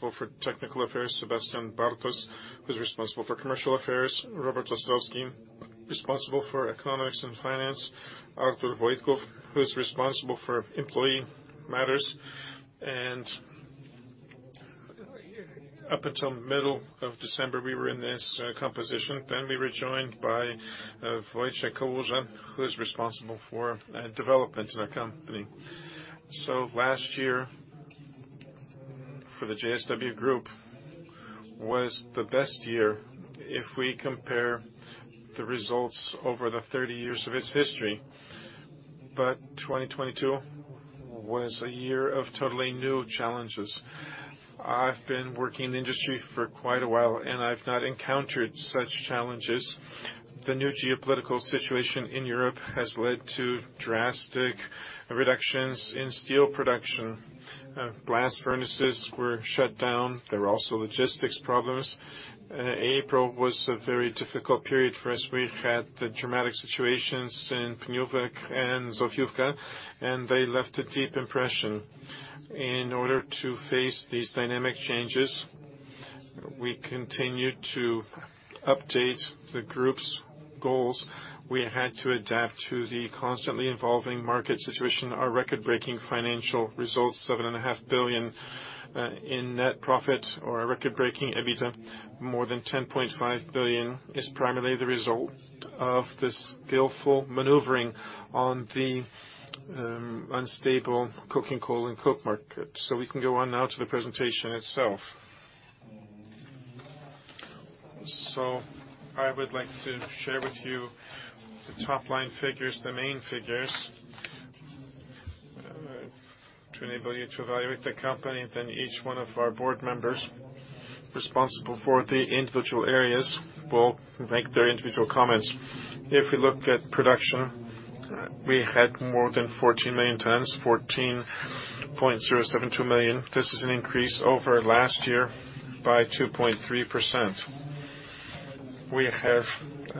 Responsible for technical affairs, Sebastian Bartoś, who's responsible for commercial affairs. Robert Ostrowski, responsible for economics and finance. Artur Wojtków, who is responsible for employee matters. Up until middle of December, we were in this composition. We were joined by Wojciech Kałuża, who is responsible for development in our company. Last year for the JSW Group was the best year if we compare the results over the 30 years of its history. 2022 was a year of totally new challenges. I've been working in the industry for quite a while, and I've not encountered such challenges. The new geopolitical situation in Europe has led to drastic reductions in steel production. Glass furnaces were shut down. There were also logistics problems. April was a very difficult period for us. We had dramatic situations in Pniówek and Zofiówka, and they left a deep impression. In order to face these dynamic changes, we continued to update the group's goals. We had to adapt to the constantly evolving market situation. Our record-breaking financial results, 7.5 billion in net profit or our record-breaking EBITDA, more than 10.5 billion, is primarily the result of the skillful maneuvering on the unstable coking coal and coke market. We can go on now to the presentation itself. I would like to share with you the top-line figures, the main figures, to enable you to evaluate the company. Each one of our board members responsible for the individual areas will make their individual comments. If we look at production, we had more than 14 million tons, 14.072 million. This is an increase over last year by 2.3%. We have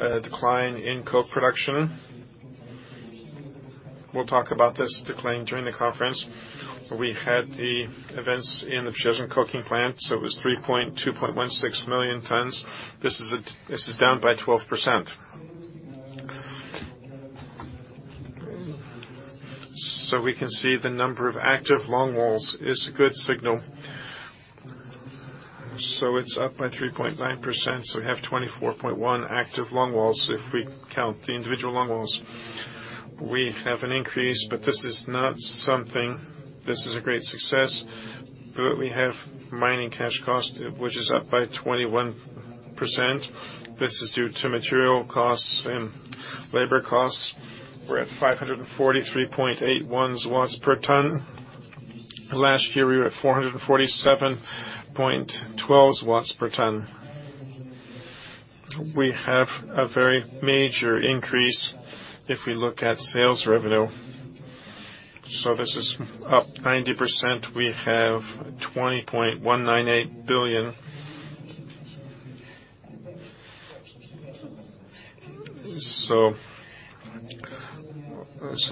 a decline in coke production. We'll talk about this decline during the conference. We had the events in the Przyjaźń coking plant, it was 2.16 million tons. This is down by 12%. We can see the number of active longwalls is a good signal. It's up by 3.9%, we have 24.1 active longwalls if we count the individual longwalls. We have an increase, this is not something. This is a great success. We have mining cash cost, which is up by 21%. This is due to material costs and labor costs. We're at 543.81 zlotys per ton. Last year, we were at 447.12 zlotys per ton. We have a very major increase if we look at sales revenue. This is up 90%. We have 20.198 billion.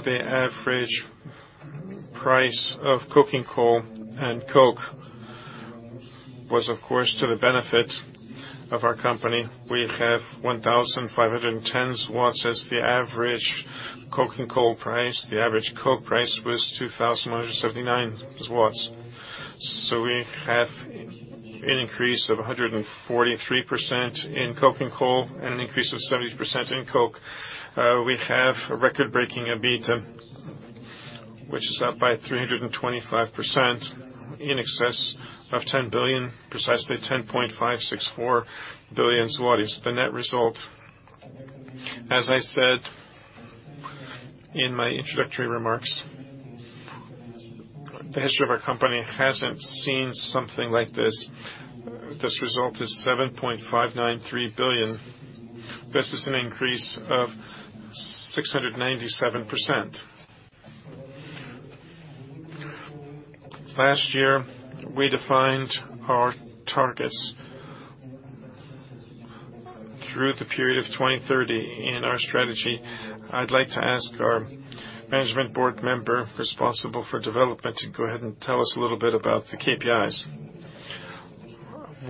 The average price of coking coal and coke was, of course, to the benefit of our company. We have 1,510 as the average coking coal price. The average coke price was 2,179. We have an increase of 143% in coking coal and an increase of 70% in coke. We have a record-breaking EBITDA, which is up by 325% in excess of 10 billion, precisely 10.564 billion zlotys is the net result. As I said in my introductory remarks, the history of our company hasn't seen something like this. This result is 7.593 billion. This is an increase of 697%. Last year, we defined our targets through the period of 2030 in our strategy. I'd like to ask our management board member responsible for development to go ahead and tell us a little bit about the KPIs.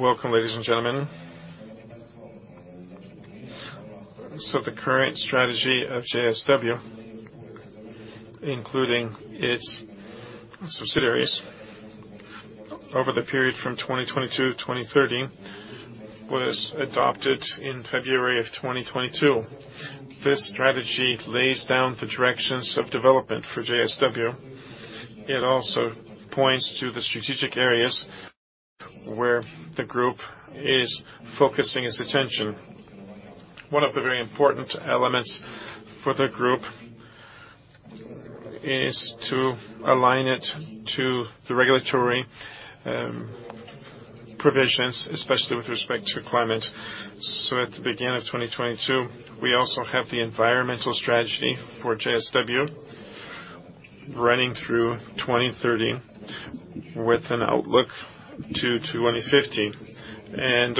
Welcome, ladies and gentlemen. The current strategy of JSW, including its subsidiaries over the period from 2022 to 2030, was adopted in February of 2022. This strategy lays down the directions of development for JSW. It also points to the strategic areas where the group is focusing its attention. One of the very important elements for the group is to align it to the regulatory provisions, especially with respect to climate. At the beginning of 2022, we also have the environmental strategy for JSW running through 2030 with an outlook to 2050.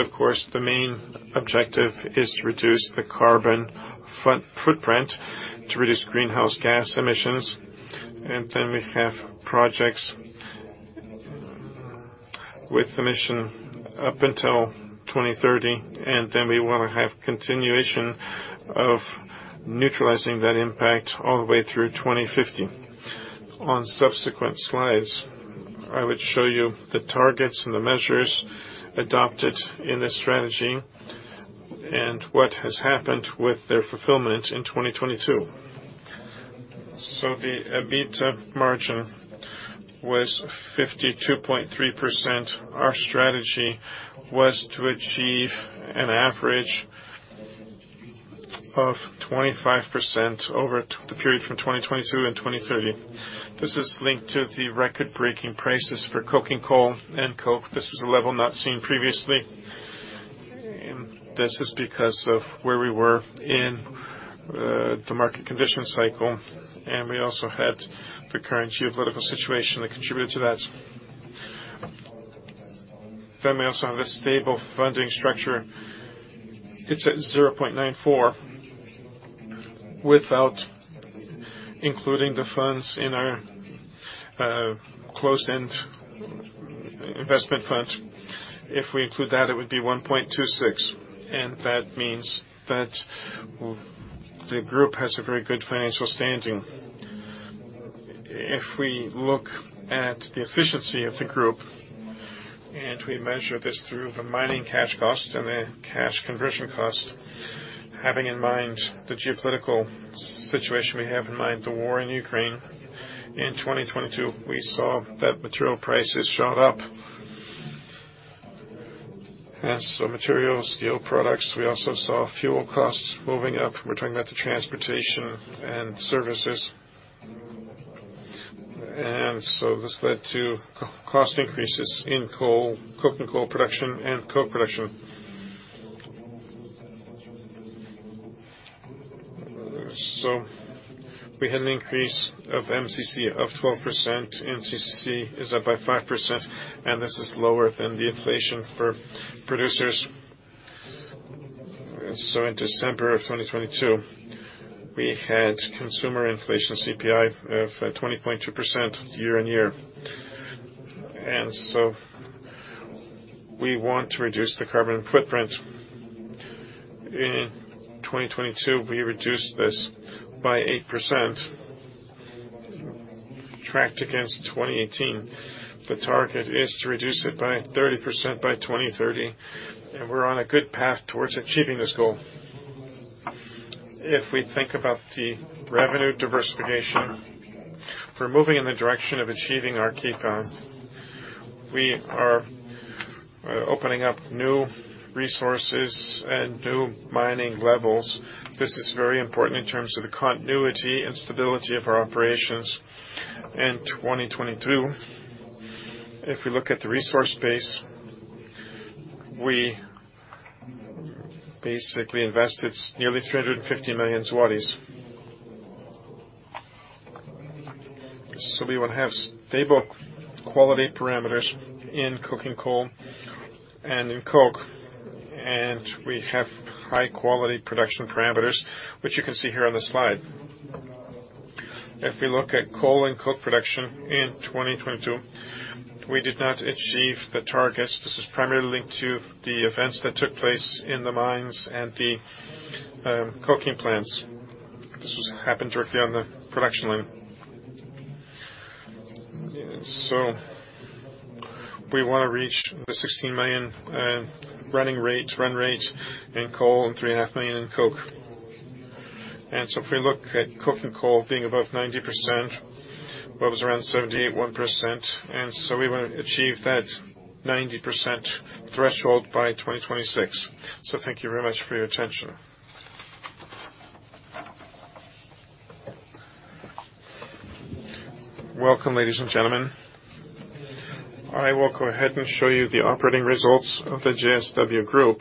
Of course, the main objective is to reduce the carbon footprint to reduce greenhouse gas emissions. Then we have projects with emission up until 2030, and then we want to have continuation of neutralizing that impact all the way through 2050. On subsequent slides, I would show you the targets and the measures adopted in this strategy and what has happened with their fulfillment in 2022. The EBITDA margin was 52.3%. Our strategy was to achieve an average of 25% over the period from 2022 and 2030. This is linked to the record-breaking prices for coking coal and coke. This was a level not seen previously. This is because of where we were in the market condition cycle, and we also had the current geopolitical situation that contributed to that. We also have a stable funding structure. It's at 0.94 without including the funds in our closed-end investment fund. If we include that, it would be 1.26, and that means that the group has a very good financial standing. If we look at the efficiency of the group, and we measure this through the mining cash cost and the cash conversion cost, having in mind the geopolitical situation, we have in mind the war in Ukraine. In 2022, we saw that material prices shot up. Materials, steel products, we also saw fuel costs moving up. We're talking about the transportation and services. This led to coke cost increases in coal, coking coal production and coke production. We had an increase of MCC of 4%. MCCC is up by 5%, and this is lower than the inflation for producers. In December of 2022, we had consumer inflation CPI of 20.2% year-on-year. We want to reduce the carbon footprint. In 2022, we reduced this by 8% tracked against 2018. The target is to reduce it by 30% by 2030, and we're on a good path towards achieving this goal. If we think about the revenue diversification, we're moving in the direction of achieving our key goal. We are opening up new resources and new mining levels. This is very important in terms of the continuity and stability of our operations. In 2022, if we look at the resource base, we basically invested nearly 350 million zlotys. We would have stable quality parameters in coking coal and in coke. We have high-quality production parameters, which you can see here on the slide. If we look at coal and coke production in 2022, we did not achieve the targets. This is primarily linked to the events that took place in the mines and the coking plants. This has happened directly on the production line. We want to reach the 16 million run rate in coal and 3.5 million in coke. If we look at coking coal being above 90%, well, it was around 78.1%. We want to achieve that 90% threshold by 2026. Thank you very much for your attention. Welcome, ladies and gentlemen. I will go ahead and show you the operating results of the JSW Group,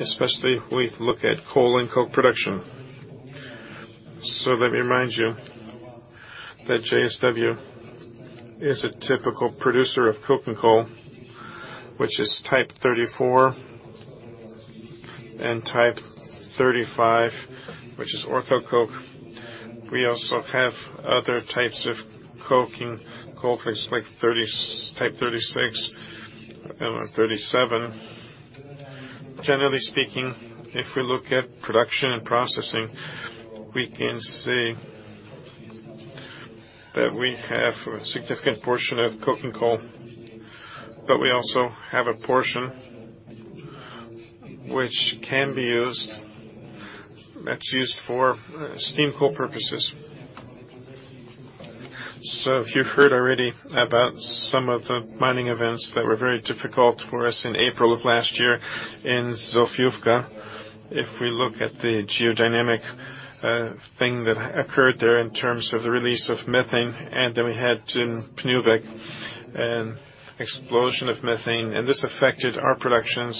especially if we look at coal and coke production. Let me remind you that JSW is a typical producer of coking coal, which is type 34 and type 35, which is orthocoke. We also have other types of coking coal, things like type 36 and 37. Generally speaking, if we look at production and processing, we can see that we have a significant portion of coking coal, but we also have a portion that's used for steam coal purposes. You've heard already about some of the mining events that were very difficult for us in April of last year in Zofiówka. If we look at the geodynamic thing that occurred there in terms of the release of methane, and then we had in Pniówek an explosion of methane, and this affected our production.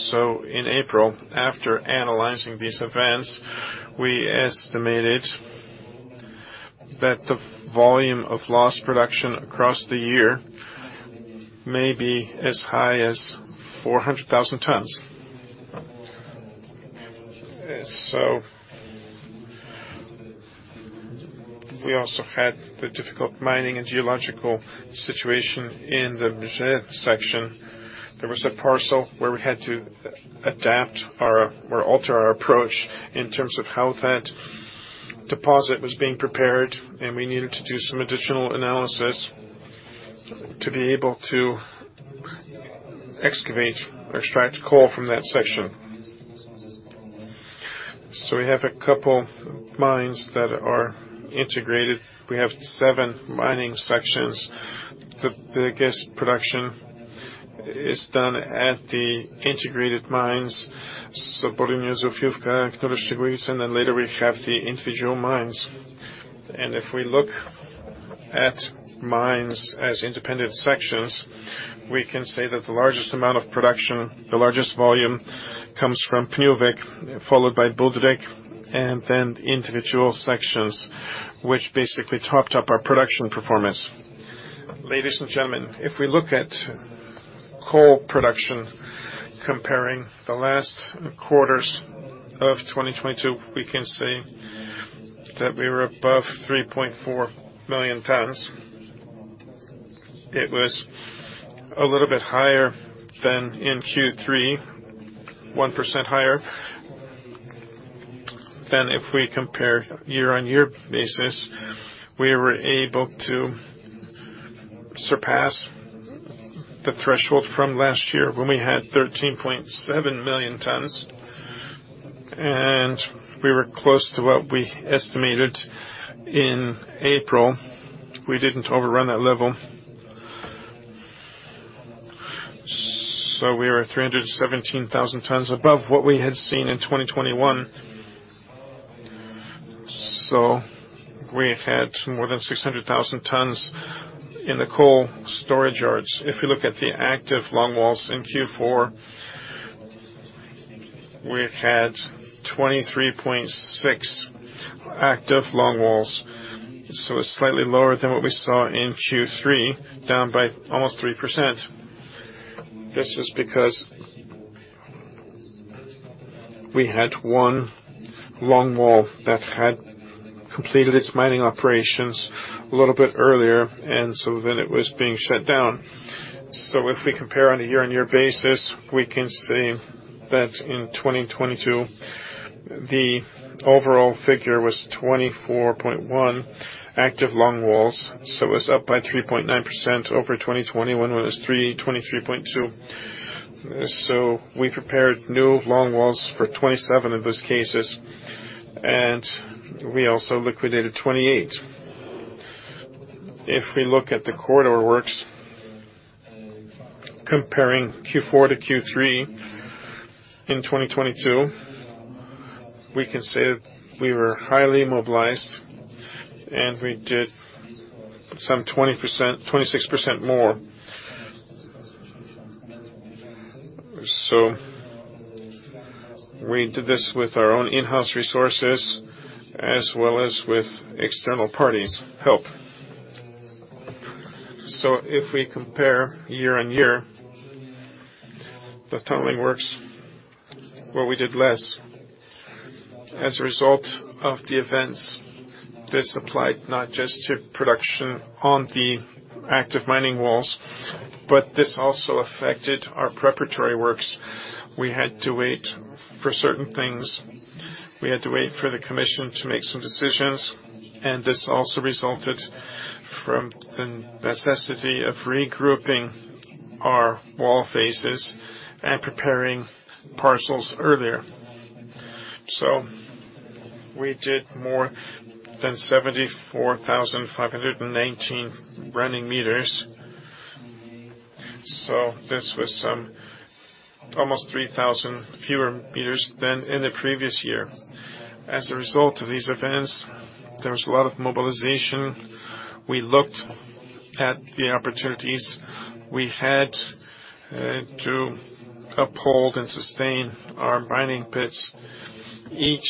In April, after analyzing these events, we estimated that the volume of lost production across the year may be as high as 400,000 tons. We also had the difficult mining and geological situation in the Bzie section. There was a parcel where we had to adapt or alter our approach in terms of how that deposit was being prepared, and we needed to do some additional analysis to be able to excavate or extract coal from that section. We have a couple mines that are integrated. We have seven mining sections. The biggest production is done at the integrated mines, so Borynia-Zofiówka, Knurów-Szczygłowice, and then later we have the individual mines. If we look at mines as independent sections, we can say that the largest amount of production, the largest volume, comes from Pniówek, followed by Budryk, and then individual sections which basically topped up our production performance. Ladies and gentlemen, if we look at coal production comparing the last quarters of 2022, we can say that we were above 3.4 million tons. It was a little bit higher than in Q3, 1% higher than if we compare year-on-year basis. We were able to surpass the threshold from last year when we had 13.7 million tons, and we were close to what we estimated in April. We didn't overrun that level. We were 317,000 tons above what we had seen in 2021. We had more than 600,000 tons in the coal storage yards. If you look at the active longwalls in Q4, we had 23.6 active longwalls, so slightly lower than what we saw in Q3, down by almost 3%. This is because we had one longwall that had completed its mining operations a little bit earlier, and so then it was being shut down. If we compare on a year-on-year basis, we can say that in 2022, the overall figure was 24.1 active longwalls, so it was up by 3.9% over 2021 when it was 23.2. We prepared new longwalls for 27 of those cases, and we also liquidated 28. We look at the corridor works, comparing Q4 to Q3 in 2022, we can say that we were highly mobilized, and we did some 26% more. We did this with our own in-house resources as well as with external parties' help. If we compare year-over-year, the tunneling works, we did less. As a result of the events, this applied not just to production on the active mining walls, but this also affected our preparatory works. We had to wait for certain things. We had to wait for the commission to make some decisions, and this also resulted from the necessity of regrouping our wall phases and preparing parcels earlier. We did more than 74,519 running meters. This was some almost 3,000 fewer meters than in the previous year. As a result of these events, there was a lot of mobilization. We looked at the opportunities we had to uphold and sustain our mining pits. Each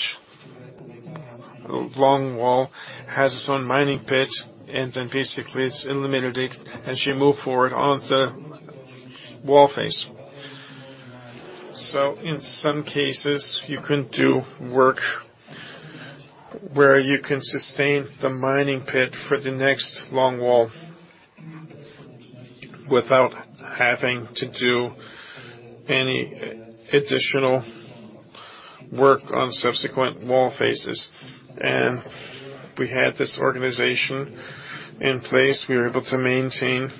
longwall has its own mining pit, and then basically it's eliminated as you move forward on the wall face. In some cases, you can do work where you can sustain the mining pit for the next longwall without having to do any additional work on subsequent wall faces. We had this organization in place. We were able to maintain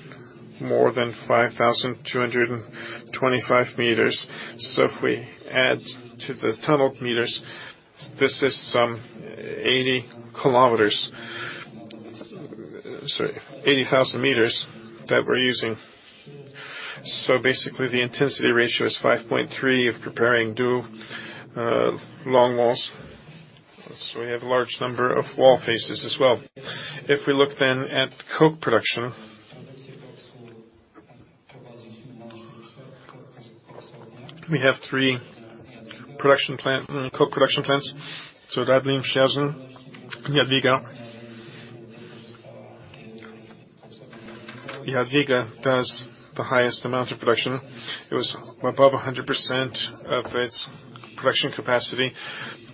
more than 5,225 m. If we add to the tunnel meters, this is some 80 km. Sorry, 80,000 m that we're using. Basically, the intensity ratio is 5.3 of preparing new longwalls. We have a large number of wall faces as well. If we look at coke production. We have three production plant, coke production plants. Radlin, Przyjaźń, Jadwiga. Jadwiga does the highest amount of production. It was above 100% of its production capacity.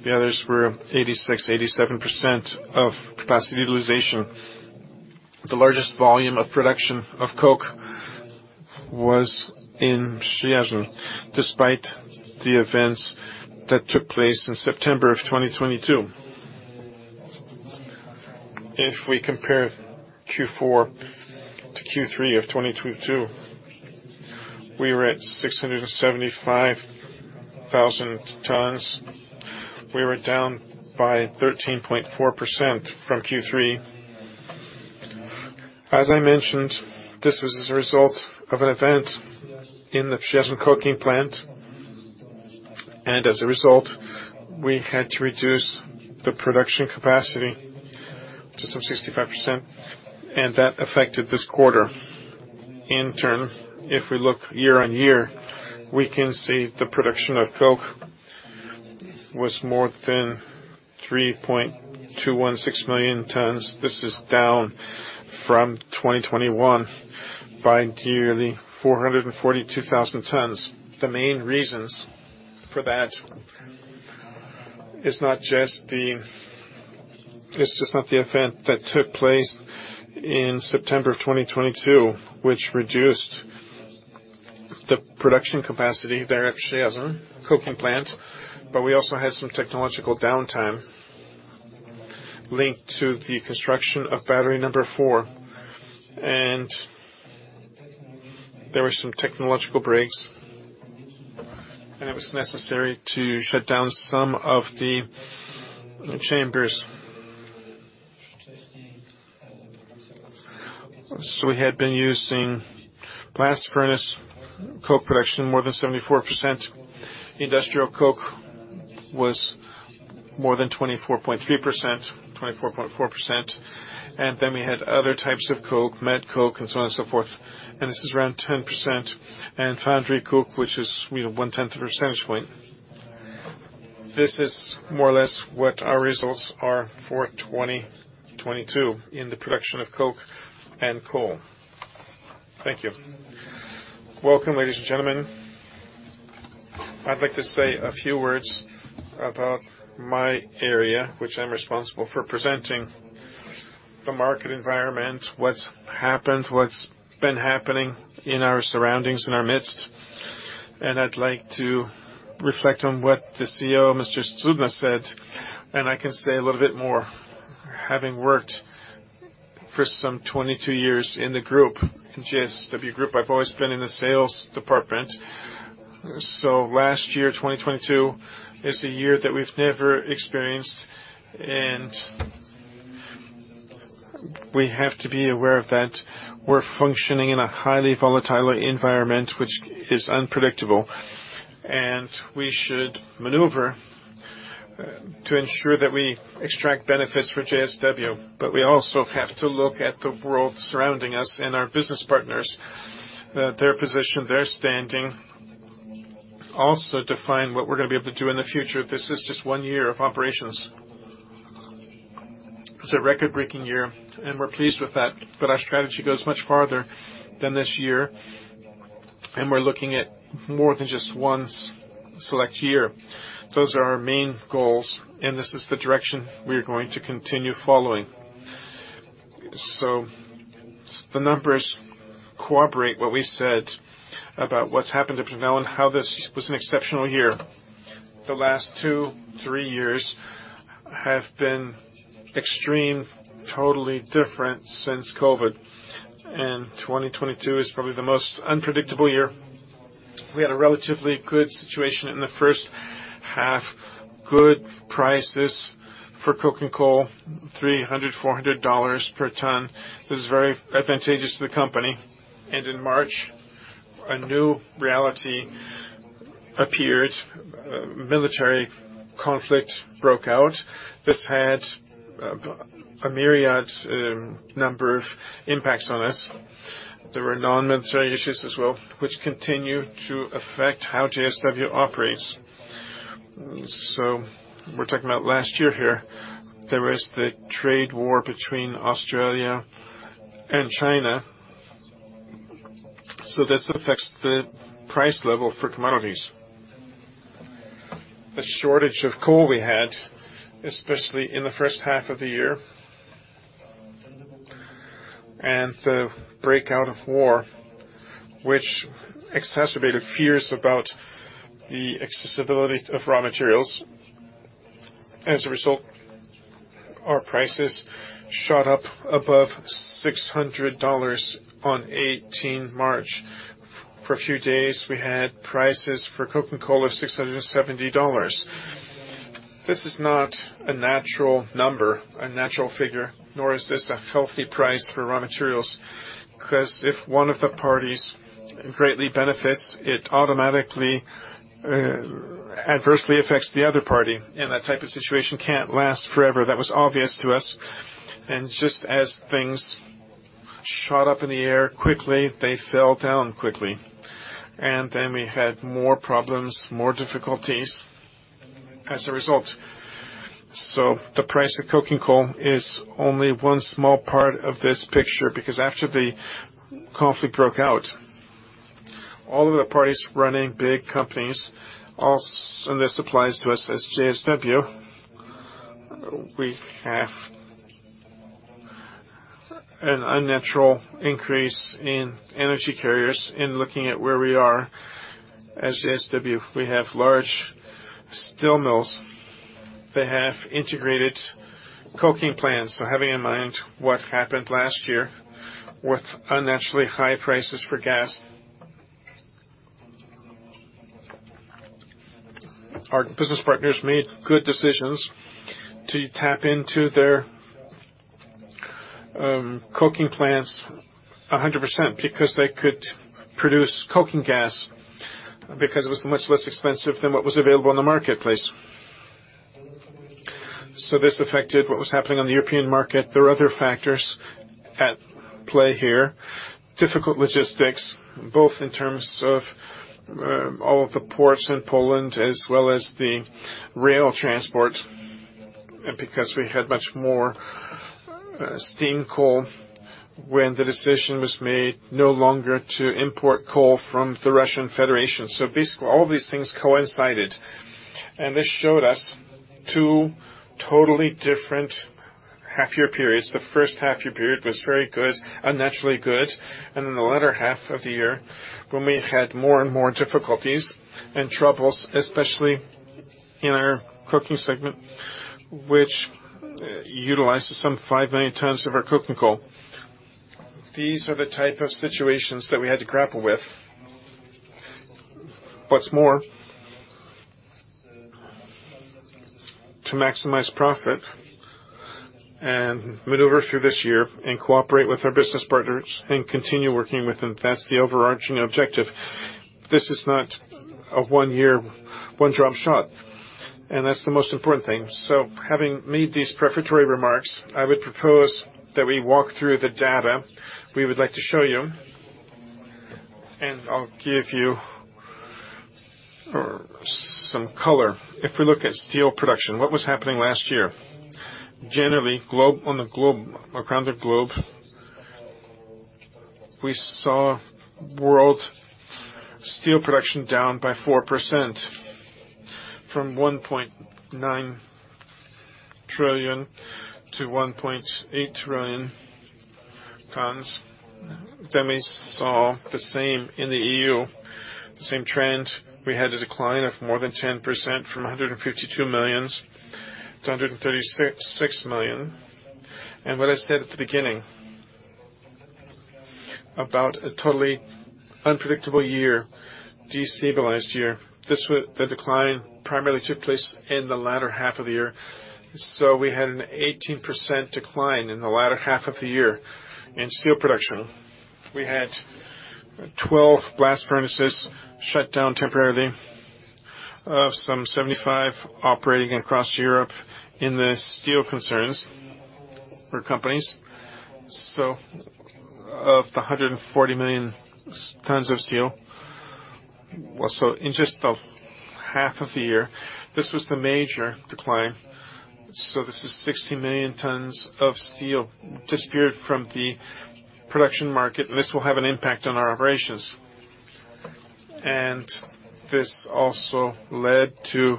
The others were 86%, 87% of capacity utilization. The largest volume of production of coke was in Przyjaźń, despite the events that took place in September 2022. If we compare Q4 to Q3 of 2022, we were at 675,000 tons. We were down by 13.4% from Q3. As I mentioned, this was as a result of an event in the Przyjaźń coking plant. As a result, we had to reduce the production capacity to some 65%, and that affected this quarter. If we look year on year, we can see the production of coke was more than 3.216 million tons. This is down from 2021 by nearly 442,000 tons. The main reasons for that is not just it's just not the event that took place in September of 2022, which reduced the production capacity there at Przyjaźń Coking Plant, but we also had some technological downtime linked to the construction of battery number four. There were some technological breaks, and it was necessary to shut down some of the chambers. We had been using blast furnace coke production more than 74%. Industrial coke was more than 24.3%, 24.4%. We had other types of coke, met coke and so on and so forth, and this is around 10%, and foundry coke, which is, you know, 1/10 of a percentage point. This is more or less what our results are for 2022 in the production of coke and coal. Thank you. Welcome, ladies and gentlemen. I'd like to say a few words about my area, which I'm responsible for presenting the market environment, what's happened, what's been happening in our surroundings, in our midst. I'd like to reflect on what the CEO, Mr. Cudny said, and I can say a little bit more. Having worked for some 22 years in the group, in JSW Group, I've always been in the sales department. Last year, 2022, is a year that we've never experienced, and we have to be aware of that we're functioning in a highly volatile environment, which is unpredictable. We should maneuver to ensure that we extract benefits for JSW, but we also have to look at the world surrounding us and our business partners, their position, their standing, also define what we're gonna be able to do in the future. This is just one year of operations. It's a record-breaking year, and we're pleased with that. Our strategy goes much farther than this year, and we're looking at more than just one select year. Those are our main goals, and this is the direction we're going to continue following. The numbers cooperate what we said about what's happened up to now and how this was an exceptional year. The last two, three years have been extreme, totally different since COVID. 2022 is probably the most unpredictable year. We had a relatively good situation in the first half, good prices for coke and coal, $300, $400 per ton. This is very advantageous to the company. In March, a new reality appeared. Military conflict broke out. This had a myriad number of impacts on us. There were non-military issues as well, which continue to affect how JSW operates. We're talking about last year here. There was the trade war between Australia and China. This affects the price level for commodities. A shortage of coal we had, especially in the first half of the year. The breakout of war, which exacerbated fears about the accessibility of raw materials. As a result, our prices shot up above $600 on 18 March. For a few days, we had prices for coke and coal of $670. This is not a natural number, a natural figure, nor is this a healthy price for raw materials, because if one of the parties greatly benefits, it automatically adversely affects the other party, and that type of situation can't last forever. That was obvious to us. Just as things shot up in the air quickly, they fell down quickly. Then we had more problems, more difficulties as a result. The price of coking coal is only one small part of this picture, because after the conflict broke out, all of the parties running big companies, and this applies to us as JSW, we have an unnatural increase in energy carriers. In looking at where we are as JSW, we have large steel mills. They have integrated coking plants. Having in mind what happened last year with unnaturally high prices for gas, our business partners made good decisions to tap into their coking plants 100% because they could produce coking gas because it was much less expensive than what was available in the marketplace. This affected what was happening on the European market. There are other factors at play here, difficult logistics, both in terms of all of the ports in Poland as well as the rail transport, because we had much more steam coal when the decision was made no longer to import coal from the Russian Federation. Basically, all these things coincided, and this showed us two totally different half-year periods. The first half-year period was very good, unnaturally good, and in the latter half of the year when we had more and more difficulties and troubles, especially in our coking segment, which utilizes some 5 million tons of our coking coal. These are the type of situations that we had to grapple with. To maximize profit and maneuver through this year and cooperate with our business partners and continue working with them, that's the overarching objective. This is not a one-year, one-drop shot, and that's the most important thing. Having made these prefatory remarks, I would propose that we walk through the data we would like to show you, and I'll give you some color. If we look at steel production, what was happening last year? Generally, around the globe, we saw world steel production down by 4% from 1.9 trillion to 1.8 trillion tons. We saw the same in the EU, the same trend. We had a decline of more than 10% from 152 million to 136.6 million. What I said at the beginning about a totally unpredictable year, destabilized year, the decline primarily took place in the latter half of the year. We had an 18% decline in the latter half of the year in steel production. We had 12 blast furnaces shut down temporarily of some 75 operating across Europe in the steel concerns or companies. Of the 140 million tons of steel, well, in just the half of the year, this was the major decline. This is 60 million tons of steel disappeared from the production market, and this will have an impact on our operations. This also led to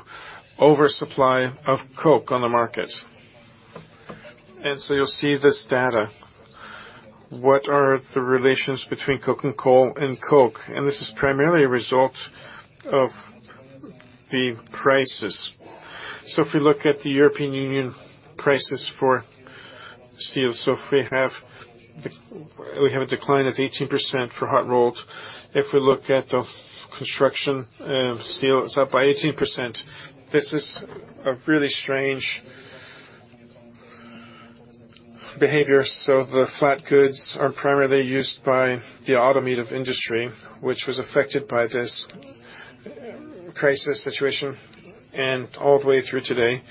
oversupply of coke on the market. You'll see this data. What are the relations between coking coal and coke? This is primarily a result of the prices. If we look at the European Union prices for steel, if we have a decline of 18% for hot rolled. If we look at the construction steel, it's up by 18%. This is a really strange behavior. The flat goods are primarily used by the automotive industry, which was affected by this crisis situation. All the way through today,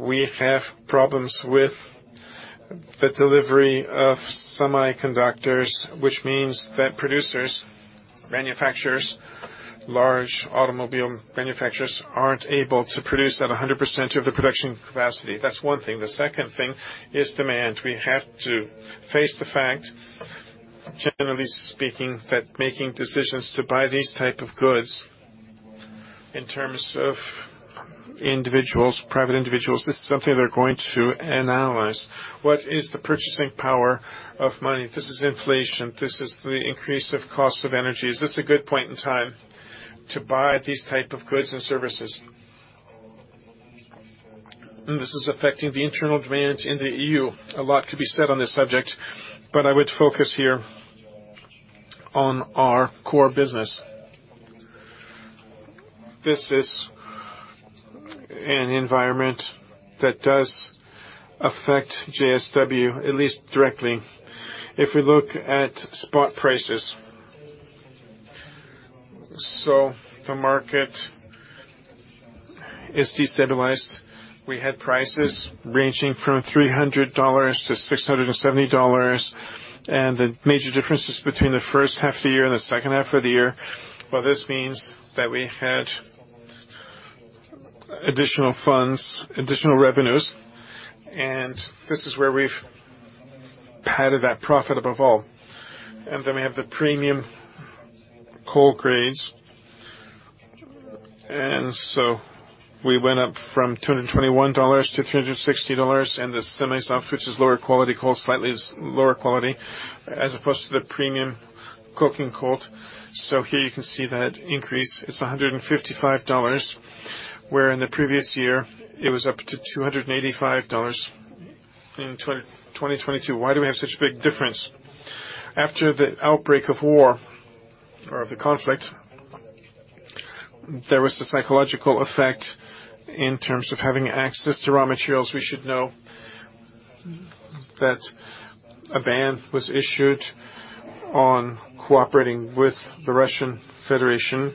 we have problems with the delivery of semiconductors, which means that producers, manufacturers, large automobile manufacturers, aren't able to produce at 100% of the production capacity. That's one thing. The second thing is demand. We have to face the fact, generally speaking, that making decisions to buy these type of goods in terms of individuals, private individuals, this is something they're going to analyze. What is the purchasing power of money? This is inflation. This is the increase of cost of energy. Is this a good point in time to buy these type of goods and services? This is affecting the internal demand in the EU. A lot could be said on this subject, but I would focus here on our core business. This is an environment that does affect JSW, at least directly. If we look at spot prices. The market is destabilized. We had prices ranging from $300-$670, and the major differences between the first half of the year and the second half of the year. Well, this means that we had additional funds, additional revenues, and this is where we've had that profit above all. We have the premium coal grades. We went up from $221 to $360, and the semi-soft, which is lower quality coal, slightly is lower quality, as opposed to the premium coking coal. Here you can see that increase is $155, where in the previous year it was up to $285 in 2022. Why do we have such a big difference? After the outbreak of war or the conflict, there was the psychological effect in terms of having access to raw materials. We should know that a ban was issued on cooperating with the Russian Federation.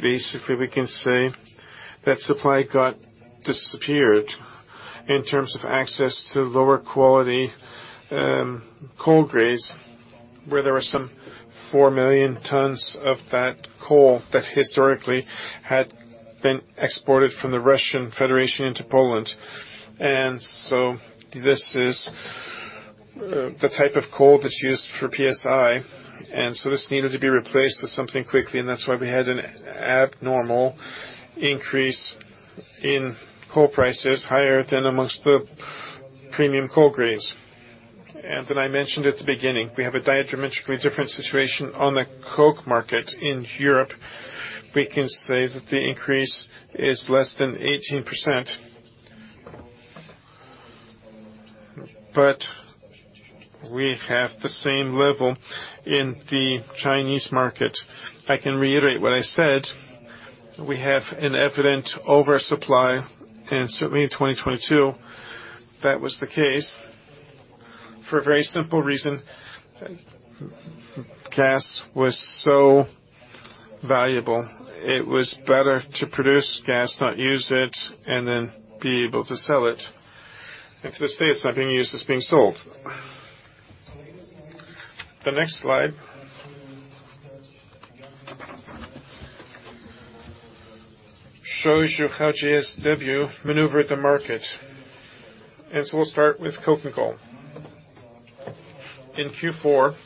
Basically, we can say that supply got disappeared in terms of access to lower quality coal grades, where there were some 4 million tons of that coal that historically had been exported from the Russian Federation into Poland. This is the type of coal that's used for PSI. This needed to be replaced with something quickly, and that's why we had an abnormal increase in coal prices higher than amongst the premium coal grades. I mentioned at the beginning, we have a diametrically different situation on the coke market in Europe. We can say that the increase is less than 18%. We have the same level in the Chinese market. I can reiterate what I said. We have an evident oversupply, and certainly in 2022, that was the case. For a very simple reason, gas was so valuable, it was better to produce gas, not use it, and then be able to sell it. To this day, it's not being used, it's being sold. The next slide shows you how JSW maneuvered the market. We'll start with coking coal. In Q4,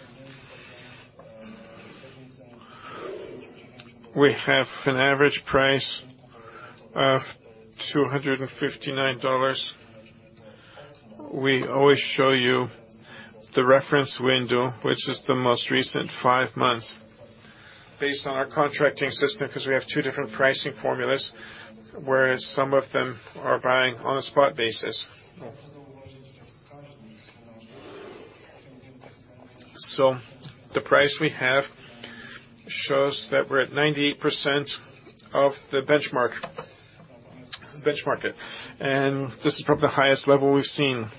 we have an average price of $259. We always show you the reference window, which is the most recent five months based on our contracting system, 'cause we have two different pricing formulas, whereas some of them are buying on a spot basis. The price we have shows that we're at 98% of the benchmark. This is probably the highest level we've seen.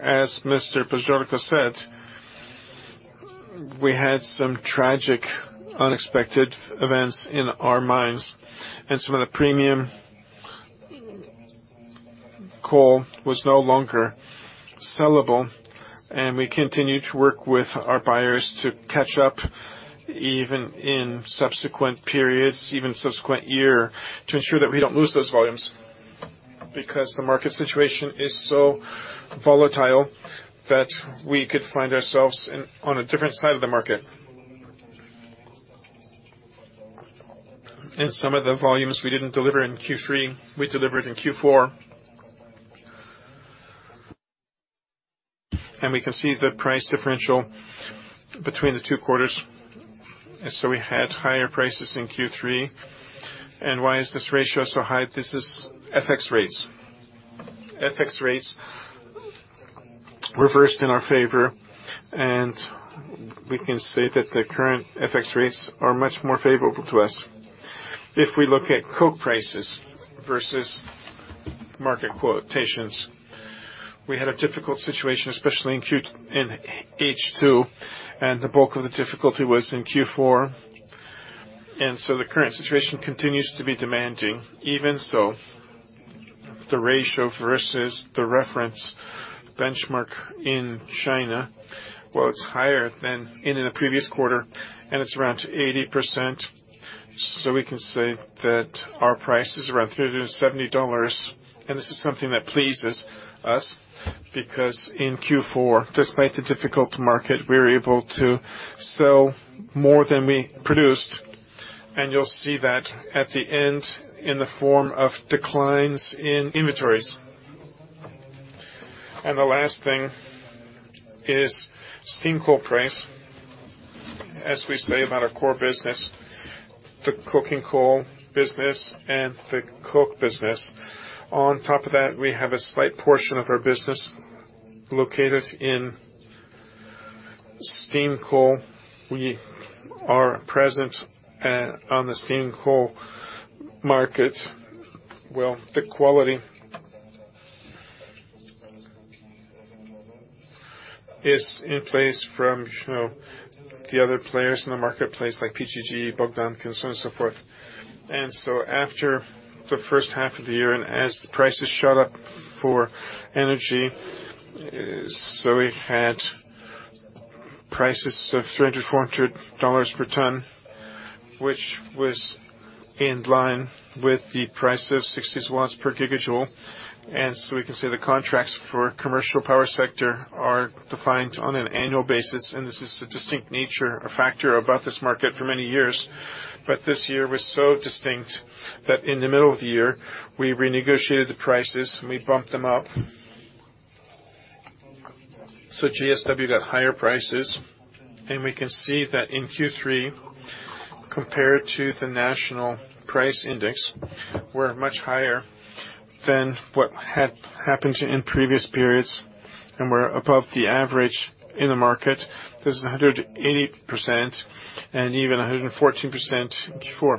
As Mr. Pazdziorko said, we had some tragic, unexpected events in our minds. Some of the premium coal was no longer sellable, and we continued to work with our buyers to catch up, even in subsequent periods, even subsequent year, to ensure that we don't lose those volumes because the market situation is so volatile that we could find ourselves in, on a different side of the market. Some of the volumes we didn't deliver in Q3, we delivered in Q4. We can see the price differential between the two quarters. We had higher prices in Q3. Why is this ratio so high? This is FX rates. FX rates reversed in our favor, and we can say that the current FX rates are much more favorable to us. If we look at coke prices versus market quotations, we had a difficult situation, especially in Q, in H2, and the bulk of the difficulty was in Q4. The current situation continues to be demanding. Even so, the ratio versus the reference benchmark in China, well, it's higher than in the previous quarter, and it's around 80%. We can say that our price is around $370, and this is something that pleases us because in Q4, despite the difficult market, we were able to sell more than we produced, and you'll see that at the end in the form of declines in inventories. The last thing is steam coal price. As we say about our core business, the coking coal business and the coke business. On top of that, we have a slight portion of our business located in steam coal. We are present at, on the steam coal market. Well, the quality is in place from, you know, the other players in the marketplace like PGG, Bogdanka, and so forth. After the first half of the year, as the prices shot up for energy, we had prices of $300-$400 per ton, which was in line with the price of 60 per gigajoule. We can say the contracts for commercial power sector are defined on an annual basis, and this is a distinct nature, a factor about this market for many years. This year was so distinct that in the middle of the year, we renegotiated the prices, and we bumped them up. JSW got higher prices. We can see that in Q3, compared to the national price index, we're much higher than what had happened in previous periods, and we're above the average in the market. This is 180% and even 114% in Q4.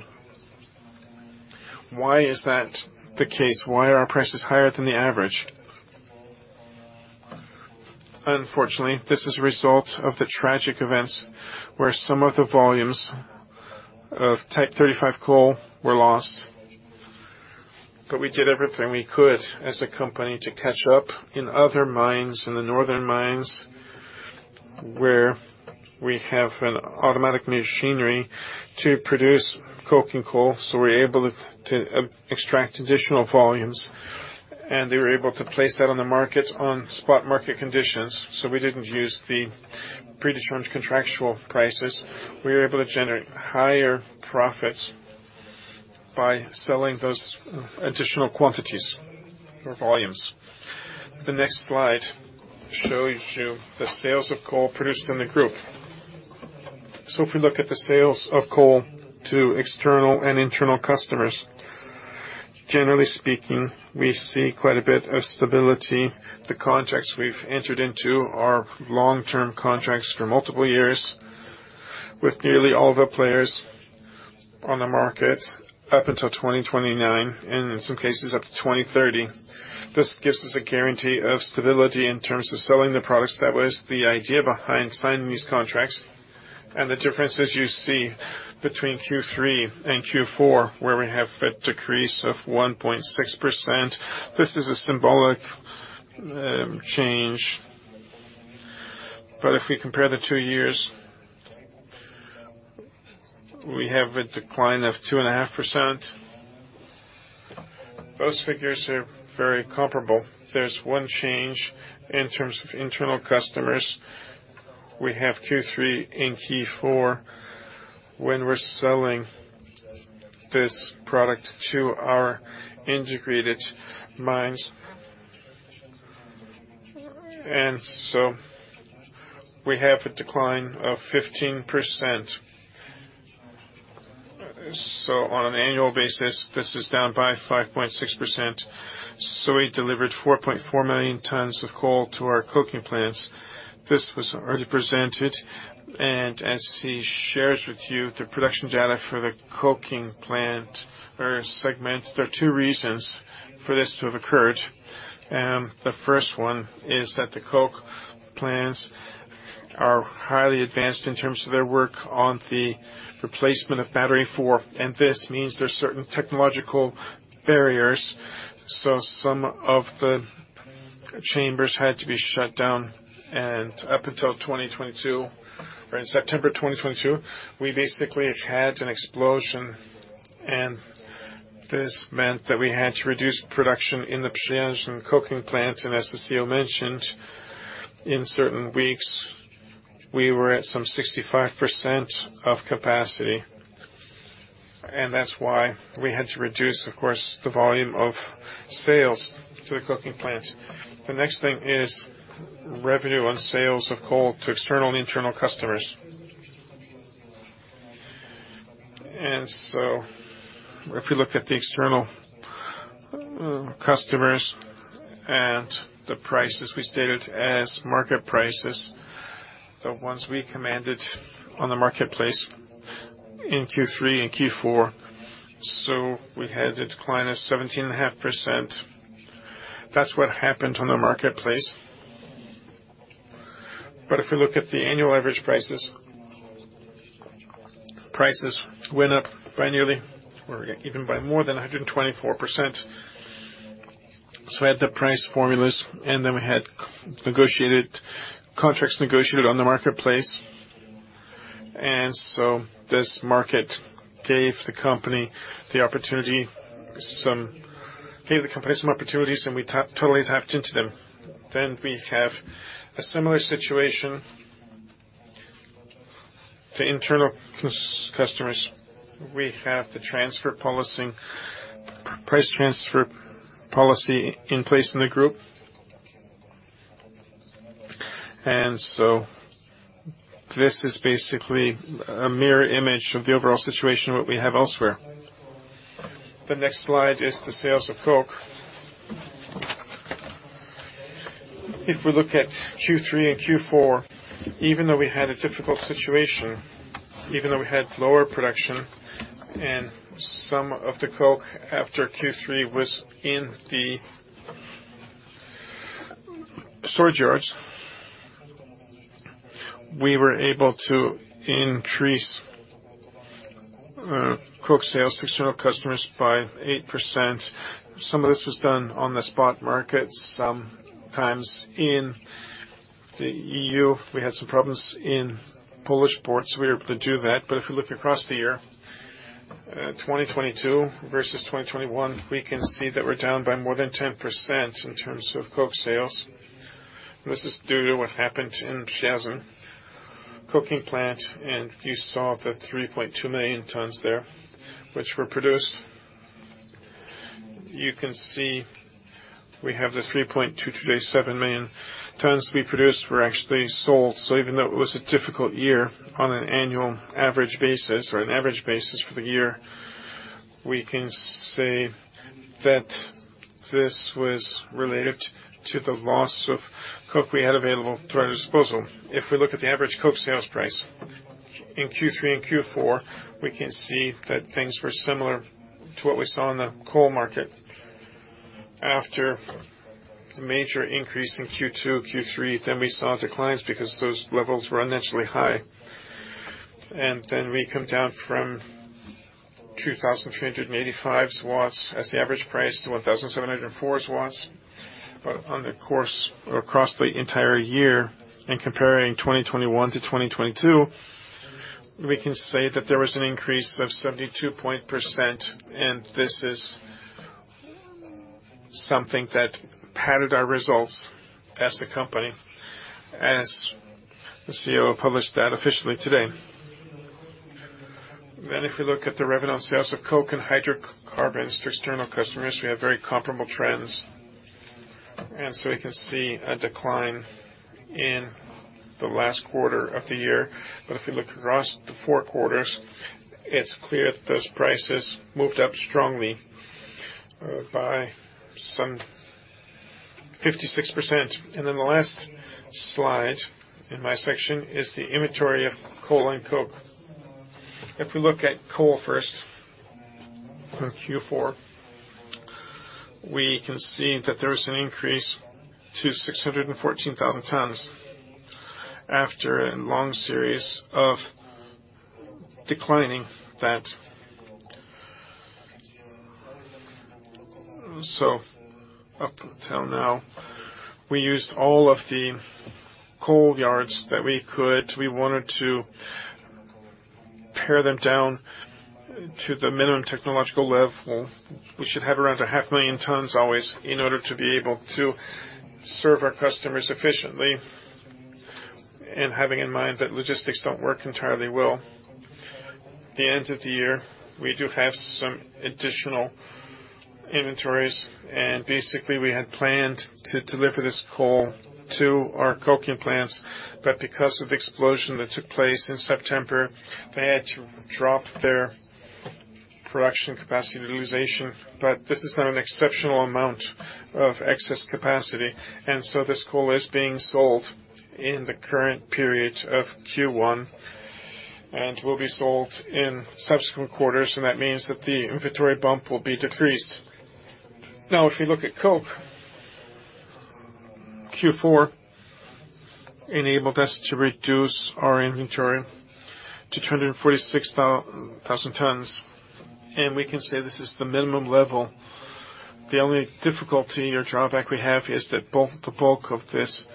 Why is that the case? Why are our prices higher than the average? Unfortunately, this is a result of the tragic events where some of the volumes of type 35 coal were lost. We did everything we could as a company to catch up in other mines, in the northern mines, where we have an automatic machinery to produce coking coal. We're able to extract additional volumes. They were able to place that on the market on spot market conditions. We didn't use the pre-determined contractual prices. We were able to generate higher profits by selling those additional quantities or volumes. The next slide shows you the sales of coal produced in the group. If we look at the sales of coal to external and internal customers, generally speaking, we see quite a bit of stability. The contracts we've entered into are long-term contracts for multiple years with nearly all the players on the market up until 2029, and in some cases, up to 2030. This gives us a guarantee of stability in terms of selling the products. That was the idea behind signing these contracts. The differences you see between Q3 and Q4, where we have a decrease of 1.6%, this is a symbolic change. If we compare the two years, we have a decline of 2.5%. Those figures are very comparable. There's one change in terms of internal customers. We have Q3 and Q4 when we're selling this product to our integrated mines. We have a decline of 15%. On an annual basis, this is down by 5.6%. We delivered 4.4 million tons of coal to our coking plants. This was already presented, and as he shares with you the production data for the coking plant or segment, there are two reasons for this to have occurred. The first one is that the coke plants are highly advanced in terms of their work on the replacement of battery four, and this means there are certain technological barriers. Some of the chambers had to be shut down, and up until 2022, or in September 2022, we basically had an explosion, and this meant that we had to reduce production in the Przyjaźń coking plant. As the CEO mentioned, in certain weeks, we were at some 65% of capacity, and that's why we had to reduce, of course, the volume of sales to the coking plant. If we look at the external customers and the prices we stated as market prices, the ones we commanded on the marketplace in Q3 and Q4, so we had a decline of 17.5%. That's what happened on the marketplace. If we look at the annual average prices went up by nearly or even by more than 124%. We had the price formulas, and then we had contracts negotiated on the marketplace. This market gave the company some opportunities, and we totally tapped into them. We have a similar situation. The internal customers, we have the transfer policy, price transfer policy in place in the group. This is basically a mirror image of the overall situation, what we have elsewhere. The next slide is the sales of coke. If we look at Q3 and Q4, even though we had a difficult situation, even though we had lower production and some of the coke after Q3 was in the storage yards, we were able to increase coke sales to external customers by 8%. Some of this was done on the spot market, sometimes in the EU, we had some problems in Polish ports, we were able to do that. If you look across the year, 2022 versus 2021, we can see that we're down by more than 10% in terms of coke sales. This is due to what happened in Przyjaźń coking plant, you saw the 3.2 million tons there, which were produced. You can see we have the 3.2 today, 7 million tons we produced were actually sold. Even though it was a difficult year on an annual average basis or an average basis for the year, we can say that this was related to the loss of coke we had available to our disposal. If we look at the average coke sales price in Q3 and Q4, we can see that things were similar to what we saw in the coal market. After a major increase in Q2, Q3, then we saw declines because those levels were initially high. Then we come down from 2,385 as the average price to 1,704. On the course or across the entire year, in comparing 2021 to 2022, we can say that there was an increase of 72%, and this is something that padded our results as the company, as the CEO published that officially today. If we look at the revenue on sales of coke and hydrocarbons to external customers, we have very comparable trends. You can see a decline in the last quarter of the year. If you look across the four quarters, it's clear those prices moved up strongly by some 56%. The last slide in my section is the inventory of coal and coke. If we look at coal first, from Q4, we can see that there is an increase to 614,000 tons after a long series of declining that. Up until now, we used all of the coal yards that we could. We wanted to pair them down to the minimum technological level. We should have around 500,000 tons always in order to be able to serve our customers efficiently, having in mind that logistics don't work entirely well. The end of the year, we do have some additional inventories, basically, we had planned to deliver this coal to our coking plants, because of explosion that took place in September, they had to drop their production capacity utilization. This is not an exceptional amount of excess capacity. This coal is being sold in the current period of Q1 and will be sold in subsequent quarters, that means that the inventory bump will be decreased. If you look at coke, Q4 enabled us to reduce our inventory to 246,000 tons, and we can say this is the minimum level. The only difficulty or drawback we have is that bulk, the bulk of this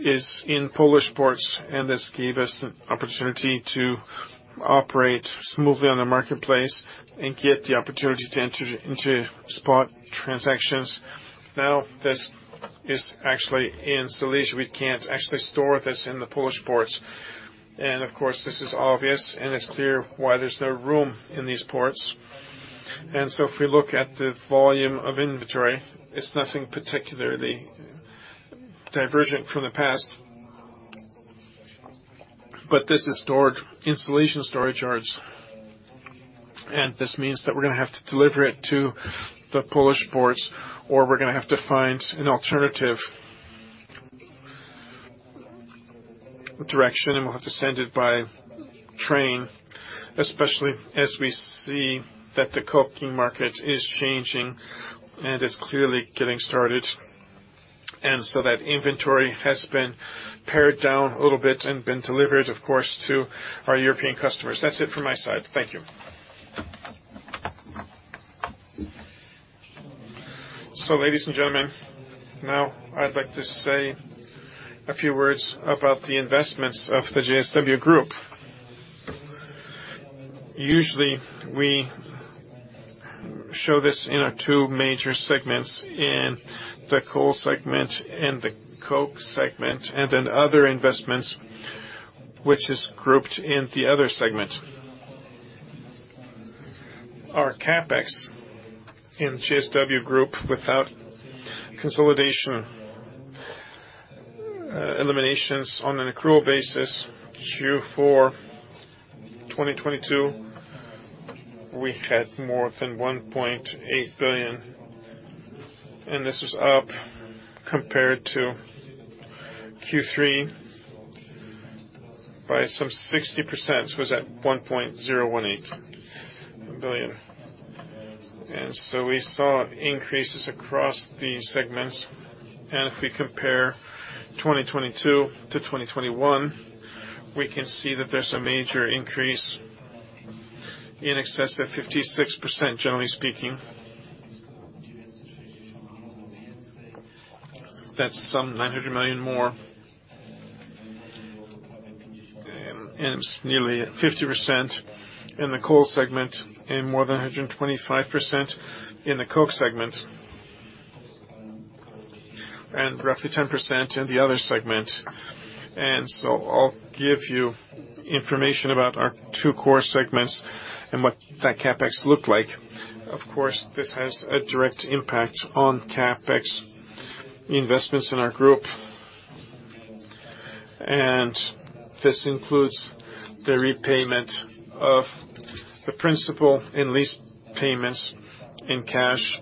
is in Polish ports, and this gave us an opportunity to operate smoothly on the marketplace and get the opportunity to enter into spot transactions. This is actually in Silesia. We can't actually store this in the Polish ports. Of course, this is obvious and it's clear why there's no room in these ports. If we look at the volume of inventory, it's nothing particularly divergent from the past. This is stored in Silesian storage yards. This means that we're gonna have to deliver it to the Polish ports, or we're gonna have to find an alternative direction, and we'll have to send it by train, especially as we see that the coking market is changing, and it's clearly getting started. That inventory has been pared down a little bit and been delivered, of course, to our European customers. That's it from my side. Thank you. Ladies and gentlemen, now I'd like to say a few words about the investments of the JSW Group. Usually, we show this in our two major segments, in the coal segment and the coke segment, and then other investments, which is grouped in the other segment. Our CapEx in JSW Group, without consolidation, eliminations on an accrual basis, Q4 2022, we had more than 1.8 billion. This was up compared to Q3 by some 60%. It was at 1.018 billion. We saw increases across the segments. If we compare 2022 to 2021, we can see that there's a major increase in excess of 56%, generally speaking. That's some PLN 900 million more. It's nearly 50% in the coal segment and more than 125% in the coke segment. Roughly 10% in the other segment. I'll give you information about our two core segments and what that CapEx looked like. Of course, this has a direct impact on CapEx investments in our group. This includes the repayment of the principal and lease payments in cash.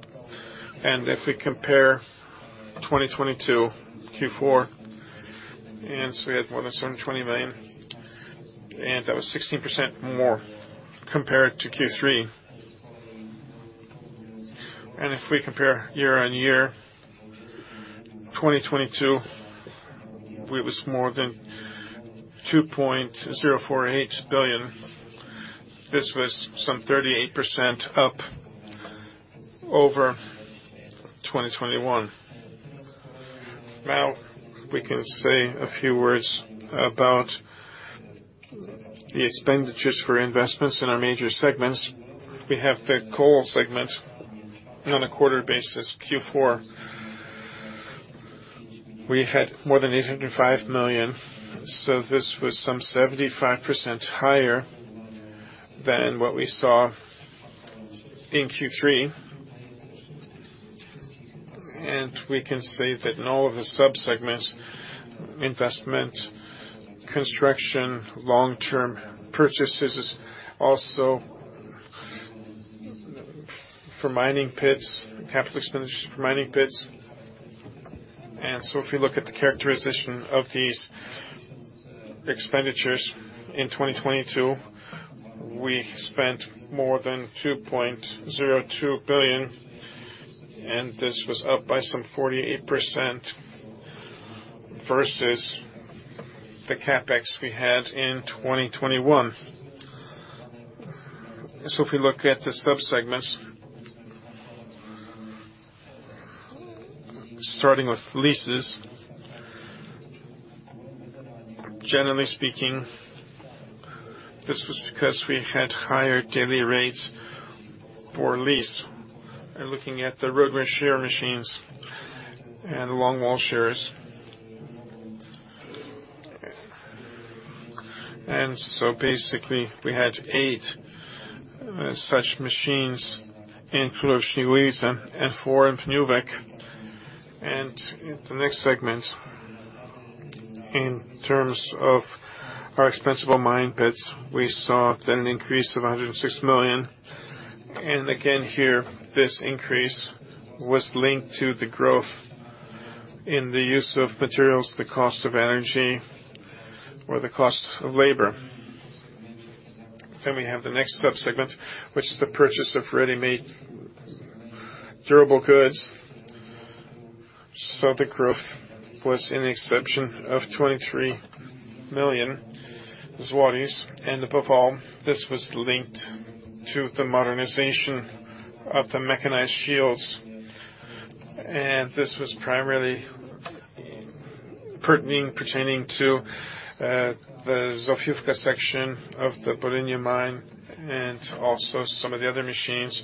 If we compare 2022, Q4, we had more than 720 million, and that was 16% more compared to Q3. If we compare year-on-year, 2022, it was more than 2.048 billion. This was some 38% up over 2021. Now, we can say a few words about the expenditures for investments in our major segments. We have the coal segment on a quarter basis, Q4. We had more than 805 million, so this was some 75% higher than what we saw in Q3. We can say that in all of the subsegments, investment, construction, long-term purchases, also for mining pits, capital expenditures for mining pits. If you look at the characterization of these expenditures in 2022, we spent more than 2.02 billion, and this was up by some 48% versus the CapEx we had in 2021. If we look at the subsegments, starting with leases, generally speaking, this was because we had higher daily rates for lease. We're looking at the road rail shear machines and longwall shearers. We had eight such machines in Szczygłowice and four in Pniówek. In the next segment, in terms of our expensable mine pits, we saw an increase of 106 million. Again, here, this increase was linked to the growth in the use of materials, the cost of energy, or the cost of labor. We have the next subsegment, which is the purchase of ready-made durable goods. The growth was in exception of 23 million. Above all, this was linked to the modernization of the mechanized shields. This was primarily pertaining to the Zofiówka section of the Borynia mine and also some of the other machines.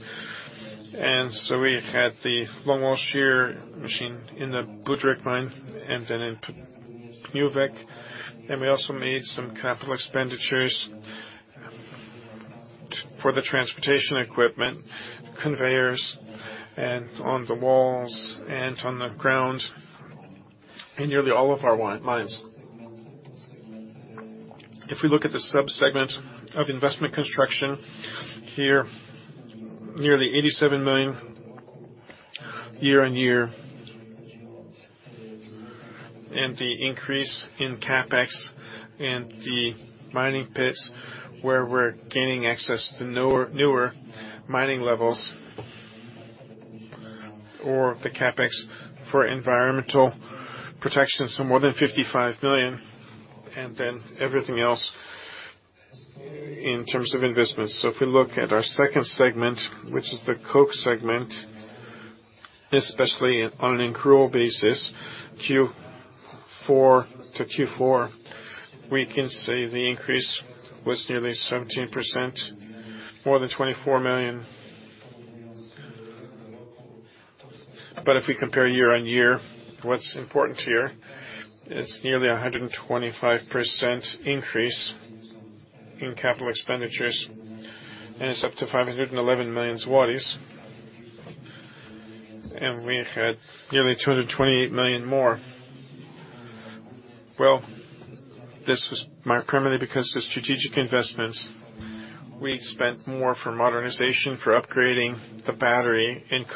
We had the long wall shear machine in the Budryk mine and then in Pniówek. We also made some capital expenditures for the transportation equipment, conveyors, and on the walls and on the ground in nearly all of our mines. If we look at the subsegment of investment construction, here, nearly PLN 87 million year-on-year. The increase in CapEx and the mining pits, where we're gaining access to newer mining levels, or the CapEx for environmental protection, more than 55 million, everything else in terms of investments. If we look at our second segment, which is the coke segment, especially on an accrual basis, Q4 to Q4, we can say the increase was nearly 17%, more than PLN 24 million. But if we compare year on year, what's important here is nearly a 125% increase in capital expenditures, and it's up to 511 million zlotys. We've had nearly 228 million more. Well, this was primarily because the strategic investments, we spent more for modernization, for upgrading the battery and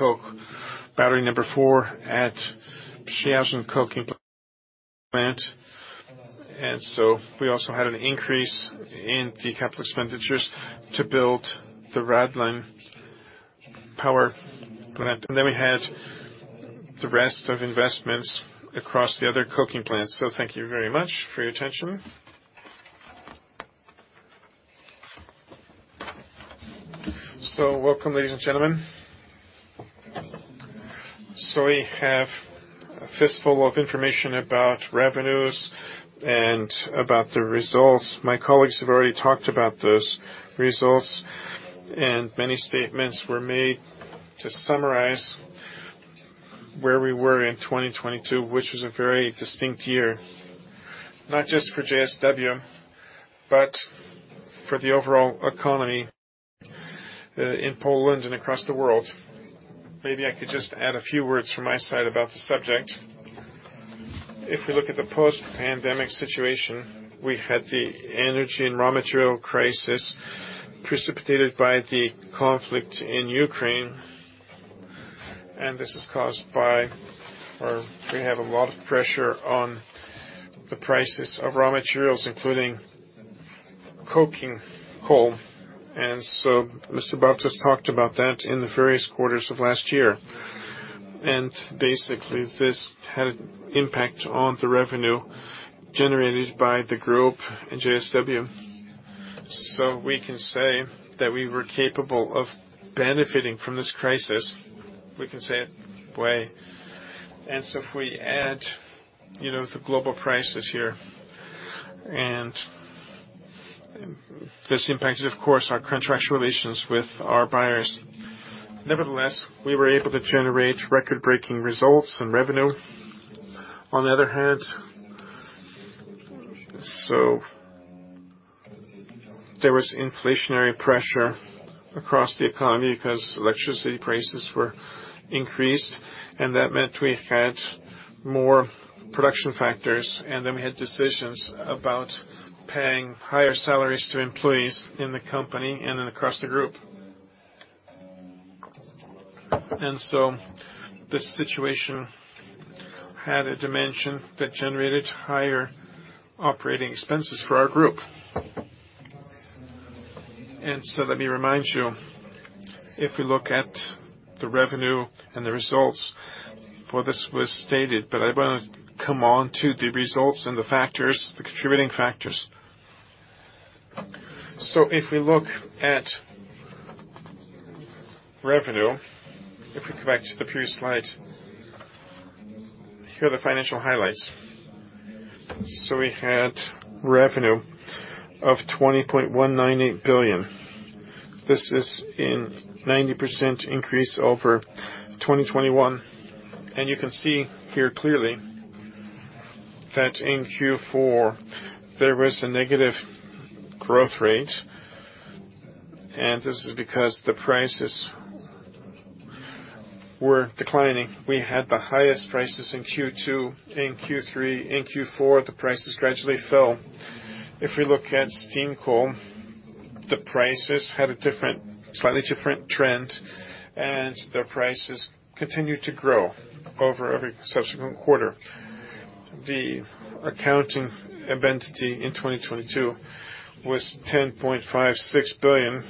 coke at Przyjaźń Coking Plant. We also had an increase in the capital expenditures to build the Radlin Power Plant. We had the rest of investments across the other coking plants. Thank you very much for your attention. Welcome, ladies and gentlemen. We have a fistful of information about revenues and about the results. My colleagues have already talked about those results, and many statements were made to summarize where we were in 2022, which was a very distinct year, not just for JSW, but for the overall economy in Poland and across the world. Maybe I could just add a few words from my side about the subject. If we look at the post-pandemic situation, we had the energy and raw material crisis precipitated by the conflict in Ukraine, and this is caused by or we have a lot of pressure on the prices of raw materials, including coking coal. Mr. Bartos has talked about that in the various quarters of last year. Basically, this had impact on the revenue generated by the group in JSW. We can say that we were capable of benefiting from this crisis, we can say it way. If we add, you know, the global prices here, and this impacted, of course, our contractual relations with our buyers. Nevertheless, we were able to generate record-breaking results and revenue on the other hand. There was inflationary pressure across the economy because electricity prices were increased, and that meant we had more production factors, and then we had decisions about paying higher salaries to employees in the company and then across the group. This situation had a dimension that generated higher operating expenses for our group. Let me remind you, if we look at the revenue and the results for this was stated, but I want to come on to the results and the factors, the contributing factors. If we look at revenue, if we go back to the previous slide, here are the financial highlights. We had revenue of 20.198 billion. This is in 90% increase over 2021. You can see here clearly that in Q4, there is a negative growth rate, and this is because the prices were declining. We had the highest prices in Q2, in Q3, in Q4, the prices gradually fell. If we look at steam coal, the prices had a different, slightly different trend, and the prices continued to grow over every subsequent quarter. The accounting event in 2022 was 10.56 billion.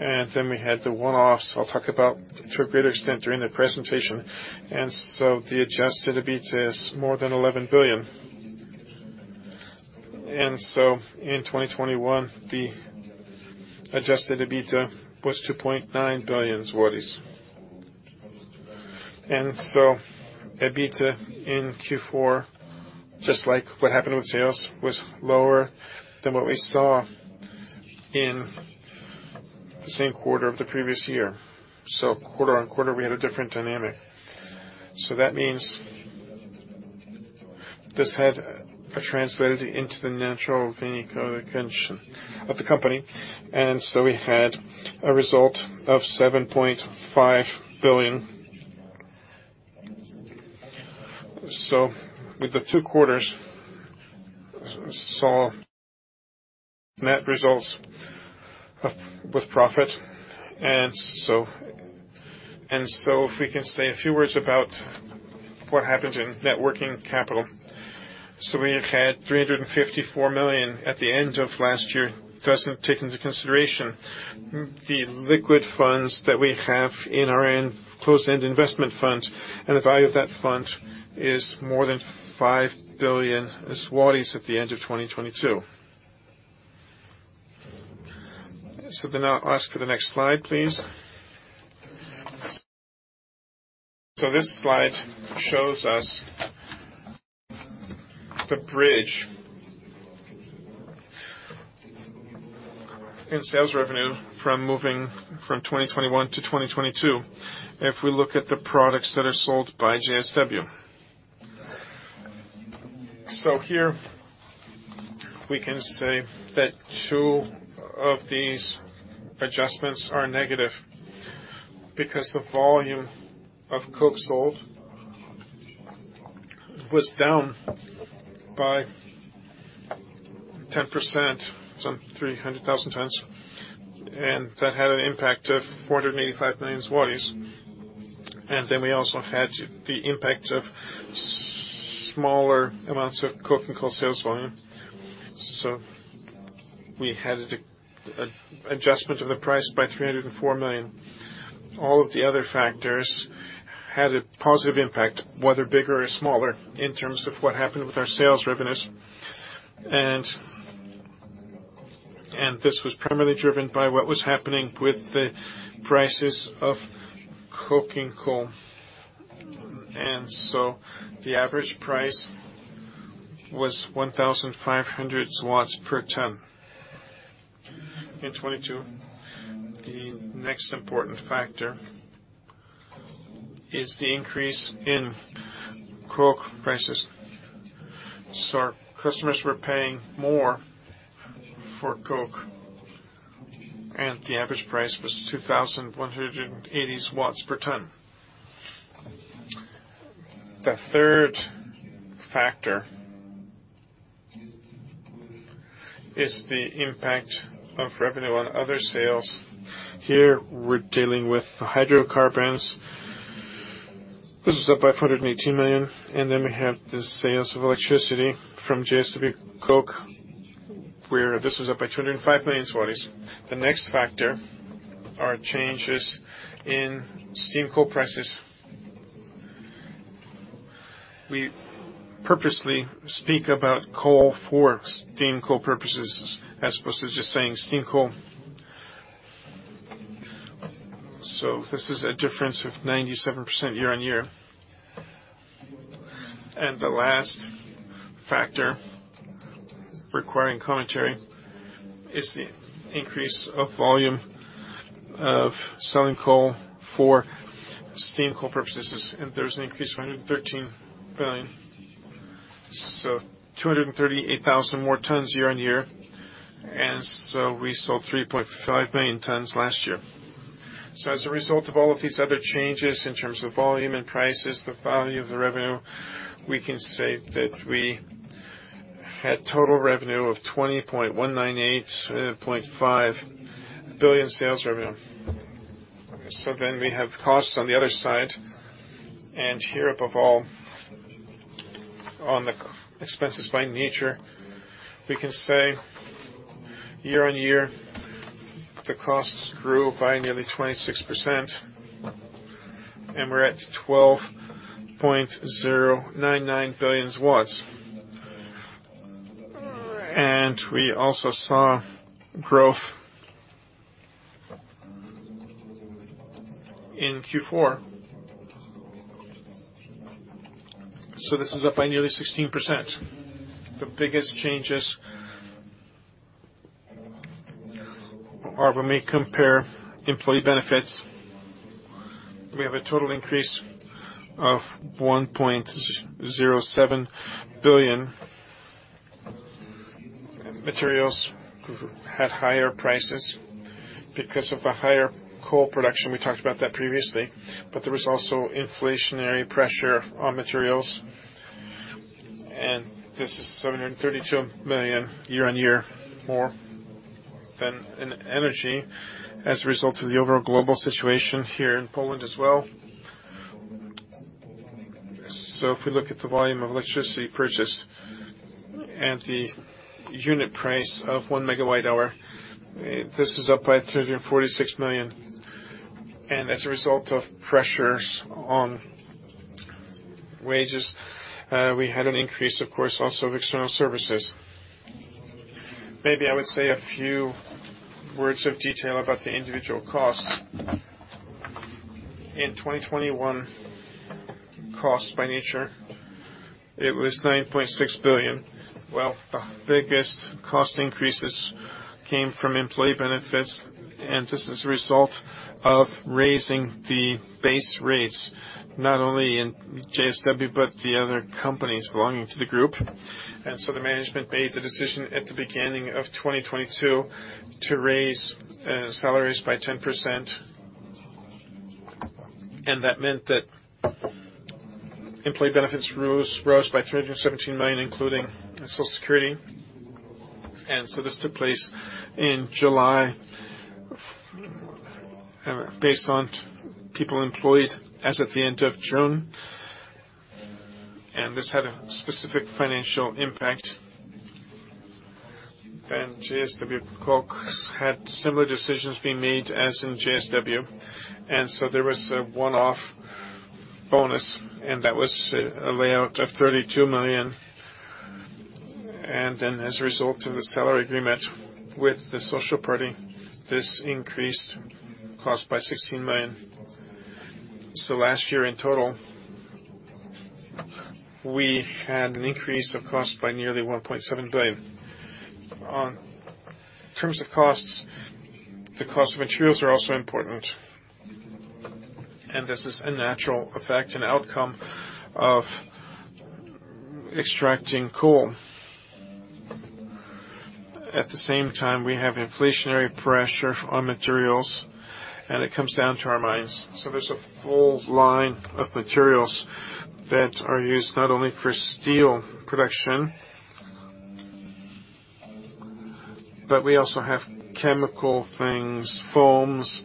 We had the one-offs I'll talk about to a greater extent during the presentation. The adjusted EBITDA is more than 11 billion. In 2021, the adjusted EBITDA was 2.9 billion zlotys. EBITDA in Q4, just like what happened with sales, was lower than what we saw in the same quarter of the previous year. Quarter-on-quarter, we had a different dynamic. That means this had translated into the net result of the company. We had a result of 7.5 billion. With the two quarters, we saw net results with profit. If we can say a few words about what happened in net working capital. We had 354 million at the end of last year. It doesn't take into consideration the liquid funds that we have in our own closed-end investment fund. The value of that fund is more than 5 billion zlotys at the end of 2022. I'll ask for the next slide, please. This slide shows us the bridge in sales revenue from moving from 2021 to 2022. If we look at the products that are sold by JSW. Here we can say that two of these adjustments are negative because the volume of coke sold was down by 10%, some 300,000 tons. That had an impact of 485 million zlotys. We also had the impact of smaller amounts of coke and coal sales volume. We had adjustment of the price by 304 million. All of the other factors had a positive impact, whether bigger or smaller, in terms of what happened with our sales revenues. This was primarily driven by what was happening with the prices of coking coal. The average price was 1,500 per ton. In 2022, the next important factor is the increase in coke prices. Our customers were paying more for coke, and the average price was 2,180 per ton. The third factor is the impact of revenue on other sales. Here we're dealing with hydrocarbons. This is up by 418 million. We have the sales of electricity from JSW KOKS, where this was up by 205 million zlotys. The next factor are changes in steam coal prices. We purposely speak about coal for steam coal purposes, as opposed to just saying steam coal. This is a difference of 97% year-on-year. The last factor requiring commentary is the increase of volume of selling coal for steam coal purposes, and there's an increase of 113 billion. 238,000 more tons year-on-year, and so we sold 3.5 million tons last year. As a result of all of these other changes in terms of volume and prices, the value of the revenue, we can say that we had total revenue of 20.1985 billion sales revenue. We have costs on the other side, and here, above all, on the expenses by nature, we can say year-on-year, the costs grew by nearly 26%, and we're at 12.099 billion. We also saw growth in Q4. This is up by nearly 16%. The biggest changes are when we compare employee benefits. We have a total increase of 1.07 billion. Materials had higher prices because of the higher coal production. We talked about that previously. There was also inflationary pressure on materials, and this is 732 million year-on-year more than in energy as a result of the overall global situation here in Poland as well. If we look at the volume of electricity purchased and the unit price of 1 MW hour, this is up by 346 million. As a result of pressures on wages, we had an increase, of course, also of external services. Maybe I would say a few words of detail about the individual costs. In 2021, costs by nature, it was 9.6 billion. Well, the biggest cost increases came from employee benefits, and this is a result of raising the base rates, not only in JSW, but the other companies belonging to the group. The management made the decision at the beginning of 2022 to raise salaries by 10%. That meant that employee benefits rose by 317 million, including Social Security. This took place in July, based on people employed as at the end of June. This had a specific financial impact. JSW KOKS had similar decisions being made as in JSW. There was a one-off bonus, and that was a layout of 32 million. As a result of the salary agreement with the Social Party, this increased cost by 16 million. Last year in total, we had an increase of cost by nearly 1.7 billion. On terms of costs, the cost of materials are also important. This is a natural effect and outcome of extracting coal. At the same time, we have inflationary pressure on materials, and it comes down to our mines. There's a whole line of materials that are used not only for steel production, but we also have chemical things, foams,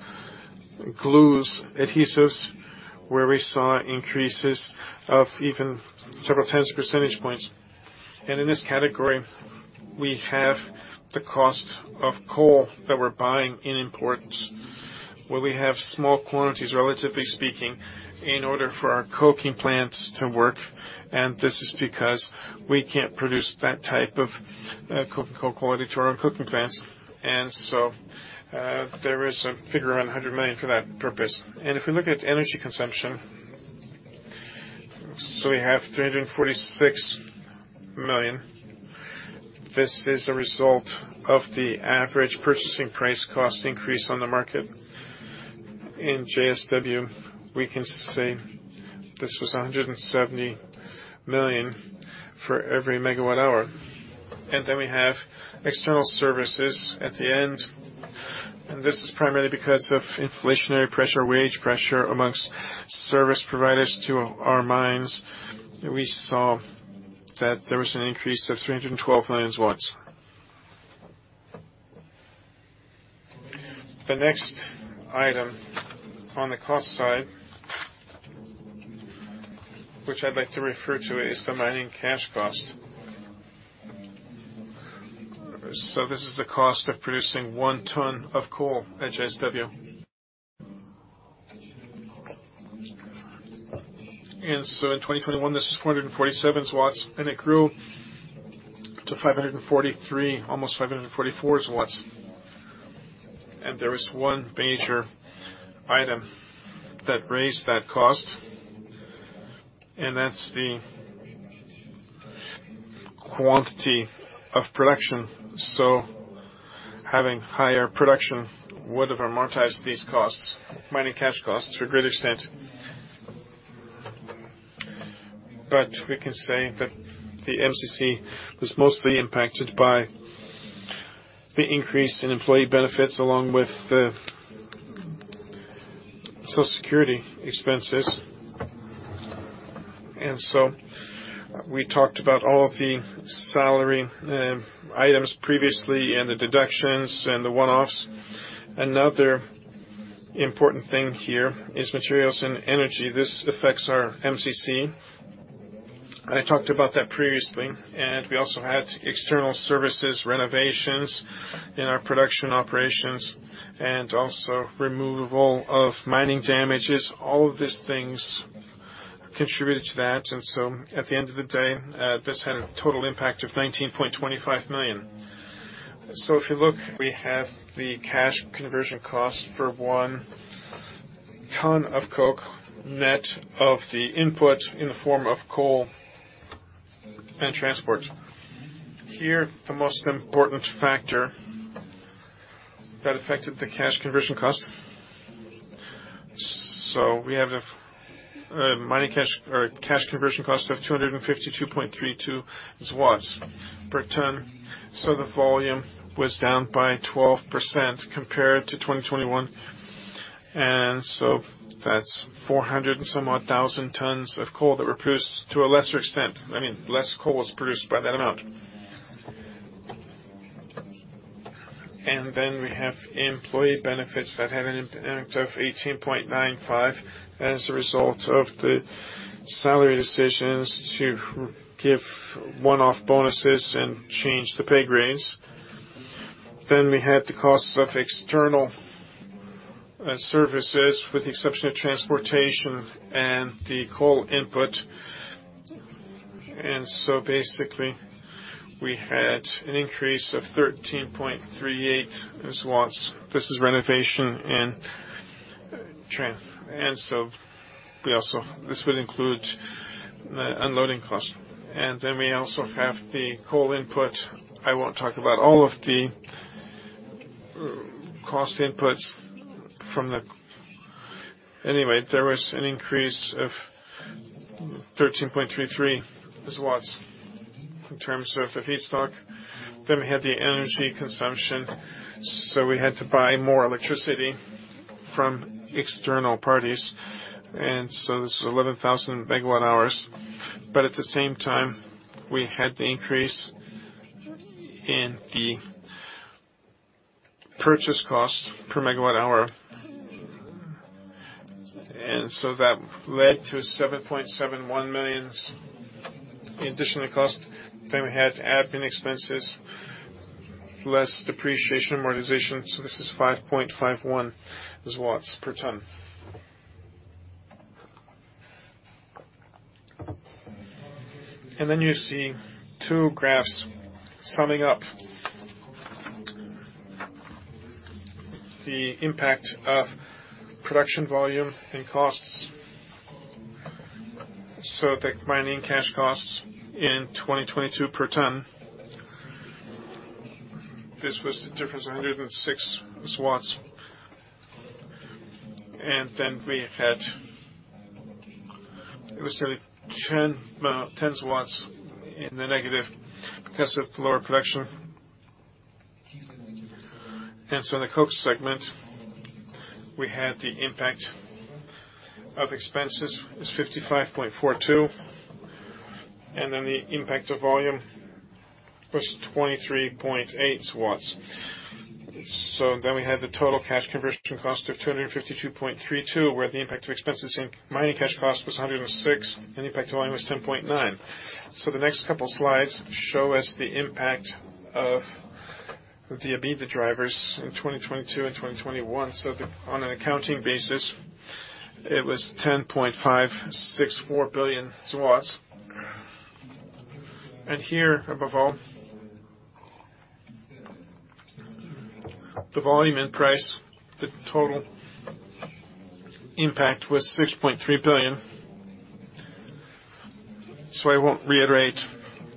glues, adhesives, where we saw increases of even several 10s percentage points. In this category, we have the cost of coal that we're buying in imports, where we have small quantities, relatively speaking, in order for our coking plants to work, and this is because we can't produce that type of coke quality to our coking plants. So, there is a figure, 100 million for that purpose. If we look at energy consumption, so we have 346 million. This is a result of the average purchasing price cost increase on the market. In JSW, we can say this was 170 million for every megawatt hour. Then we have external services at the end, and this is primarily because of inflationary pressure, wage pressure amongst service providers to our mines. We saw that there was an increase of 312 million. The next item on the cost side, which I'd like to refer to, is the mining cash cost. This is the cost of producing one ton of coal at JSW. In 2021, this is 447, and it grew to 543, almost 544. There is one major item that raised that cost, and that's the quantity of production. Having higher production would have amortized these costs, mining cash costs to a greater extent. We can say that the MCC was mostly impacted by the increase in employee benefits, along with social security expenses. We talked about all the salary items previously and the deductions and the one-offs. Another important thing here is materials and energy. This affects our MCC. I talked about that previously. We also had external services, renovations in our production operations, and also removal of mining damages. All of these things contributed to that. At the end of the day, this had a total impact of 19.25 million. If you look, we have the cash conversion cost for 1 ton of coke, net of the input in the form of coal and transport. Here, the most important factor that affected the cash conversion cost. We have mining cash or cash conversion cost of 252.32 per ton. The volume was down by 12% compared to 2021. That's 400 and somewhat thousand tons of coal that were produced to a lesser extent. I mean, less coal was produced by that amount. We have employee benefits that had an impact of 18.95 as a result of the salary decisions to give one-off bonuses and change the pay grades. We had the cost of external services with the exception of transportation and the coal input. Basically, we had an increase of 13.38. This is renovation and this would include the unloading cost. We also have the coal input. I won't talk about all of the cost inputs from the. Anyway, there was an increase of 13.33 in terms of the feedstock. We had the energy consumption, so we had to buy more electricity from external parties. This is 11,000 MW hours. At the same time, we had the increase in the purchase cost per megawatt hour. That led to 7.71 million in additional cost. We had admin expenses, less depreciation, amortization, this is 5.51 per ton. You see two graphs summing up the impact of production volume and costs. The mining cash costs in 2022 per ton, this was the difference, 106. It was nearly 10 in the negative because of lower production. In the coke segment, we had the impact of expenses was 55.42, the impact of volume was 23.8. We had the total cash conversion cost of 252.32, where the impact of expenses in mining cash cost was 106, and the impact of volume was 10.9. The next couple slides show us the impact of the EBITDA drivers in 2022 and 2021. On an accounting basis, it was 10.564 billion. Here above all, the volume and price, the total impact was 6.3 billion. I won't reiterate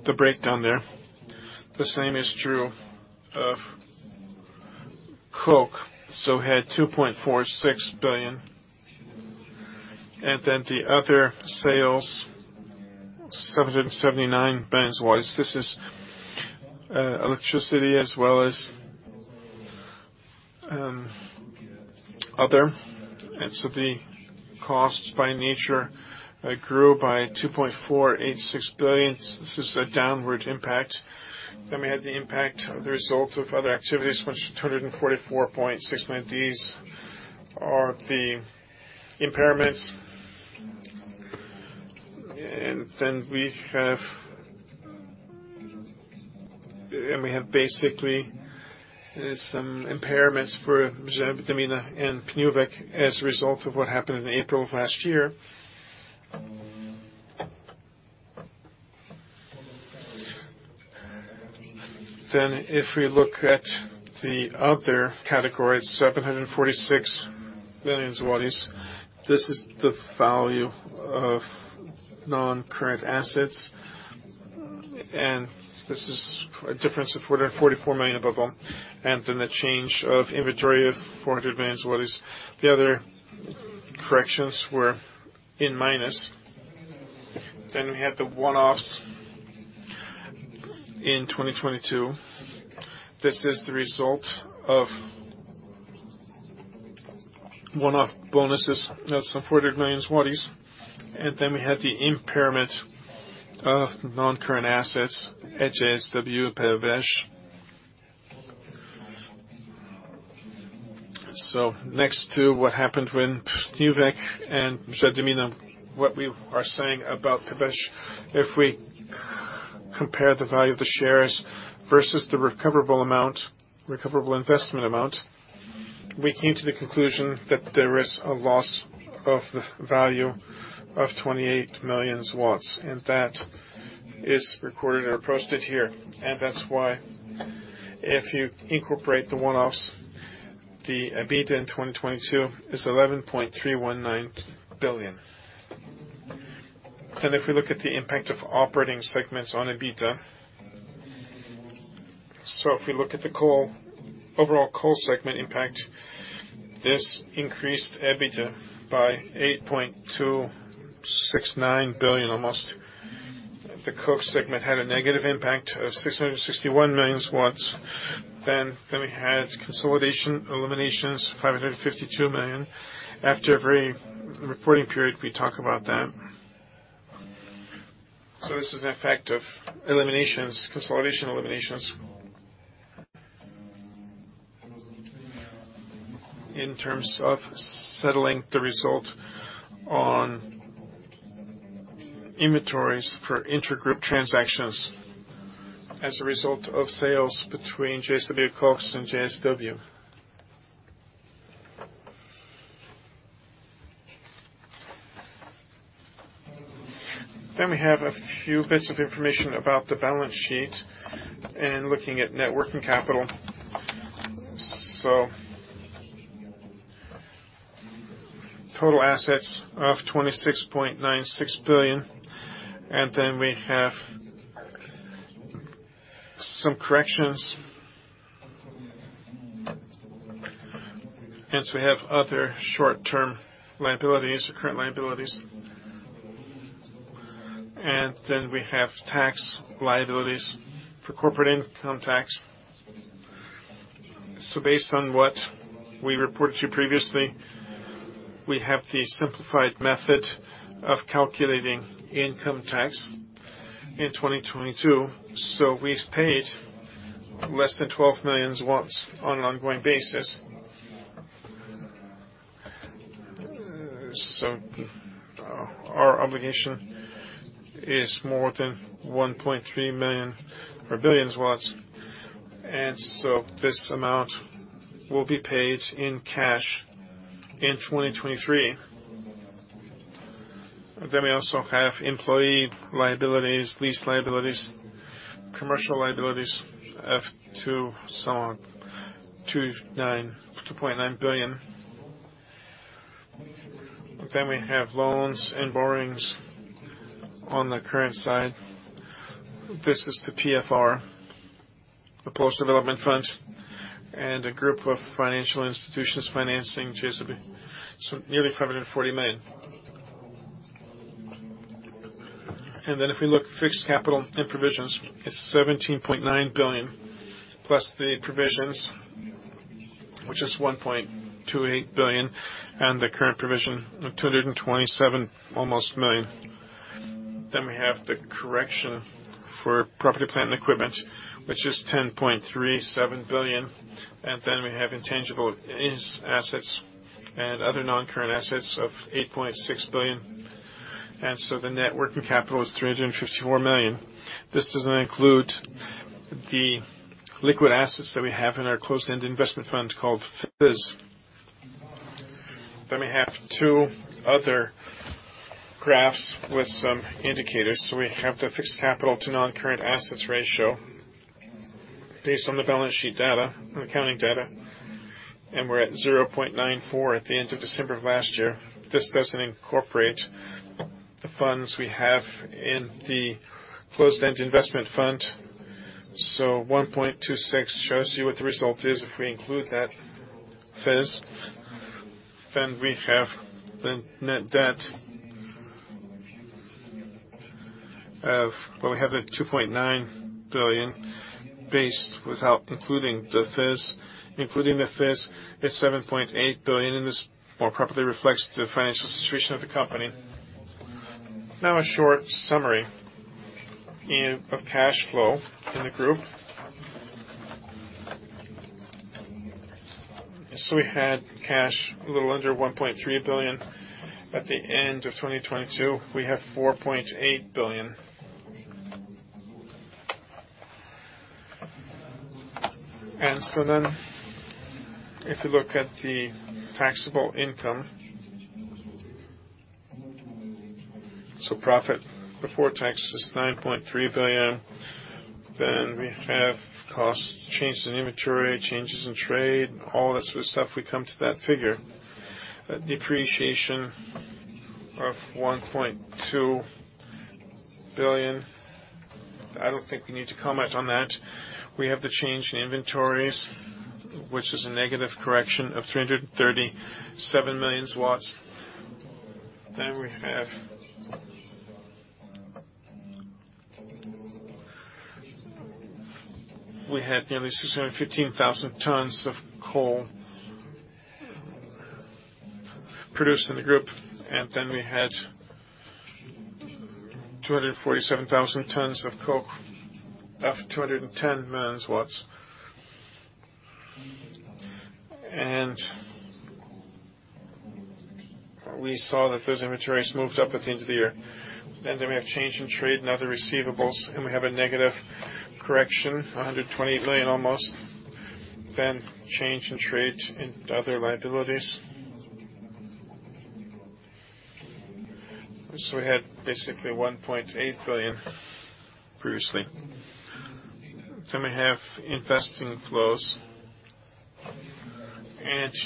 the breakdown there. The same is true of coke, had 2.46 billion. The other sales, 779 million. This is electricity as well as other. The costs by nature grew by 2.486 billion. This is a downward impact. We had the impact of the result of other activities, which was 244.6 million. These are the impairments. We have basically some impairments for Jadwiga and Pniówek as a result of what happened in April of last year. If we look at the other categories, 746 million zlotys, this is the value of non-current assets. This is a difference of 444 million above all, and then a change of inventory of 400 million. The other corrections were in minus. We had the one-offs in 2022. This is the result of one-off bonuses. That's 100 million. We had the impairment of non-current assets at JSW Pniówek. Next to what happened when Pniówek and Jadwiga, what we are saying about Pniówek, if we compare the value of the shares versus the recoverable amount, recoverable investment amount, we came to the conclusion that there is a loss of the value of 28 million, and that is recorded or posted here. That's why if you incorporate the one-offs, the EBITDA in 2022 is 11.319 billion. If we look at the impact of operating segments on EBITDA, so if we look at the coal, overall coal segment impact, this increased EBITDA by 8.269 billion almost. The coke segment had a negative impact of 661 million. We had consolidation eliminations, 552 million. After every reporting period, we talk about that. This is an effect of eliminations, consolidation eliminations in terms of settling the result on inventories for intergroup transactions as a result of sales between JSW KOKS and JSW. We have a few bits of information about the balance sheet and looking at net working capital. Total assets of 26.96 billion, we have some corrections. We have other short-term liabilities or current liabilities. We have tax liabilities for corporate income tax. Based on what we reported to you previously, we have the simplified method of calculating income tax in 2022. We paid less than 12 million on an ongoing basis. Our obligation is more than 1.3 billion. This amount will be paid in cash in 2023. We also have employee liabilities, lease liabilities, commercial liabilities, F two, so on. 2.9 billion. We have loans and borrowings on the current side. This is the PFR, the Polish Development Fund, and a group of financial institutions financing JSW, so nearly PLN 540 million. If we look fixed capital and provisions, it's 17.9 billion, plus the provisions, which is 1.28 billion, and the current provision of 227, almost, million. We have the correction for property, plant, and equipment, which is 10.37 billion. We have intangible assets and other non-current assets of 8.6 billion. The net working capital is 354 million. This doesn't include the liquid assets that we have in our closed-end investment fund called FIZ. We have two other graphs with some indicators. We have the fixed capital to non-current assets ratio based on the balance sheet data, the accounting data. We're at 0.94 at the end of December of last year. This doesn't incorporate the funds we have in the closed-end investment fund. 1.26 shows you what the result is if we include that FIZ. We have the net debt. We have the 2.9 billion based without including the FIZ. Including the FIZ, it's 7.8 billion, and this more properly reflects the financial situation of the company. A short summary of cash flow in the group. We had cash a little under 1.3 billion. At the end of 2022, we have 4.8 billion. If you look at the taxable income, so profit before tax is 9.3 billion. We have costs, changes in inventory, changes in trade, all that sort of stuff, we come to that figure. Depreciation of 1.2 billion. I don't think we need to comment on that. We have the change in inventories, which is a negative correction of 337 million. We had nearly 615,000 tons of coal produced in the group, and then we had 247,000 tons of coke of 210 million. We saw that those inventories moved up at the end of the year. We have change in trade and other receivables, and we have a negative correction, 120 million almost. Change in trade and other liabilities. We had basically 1.8 billion previously. We have investing flows.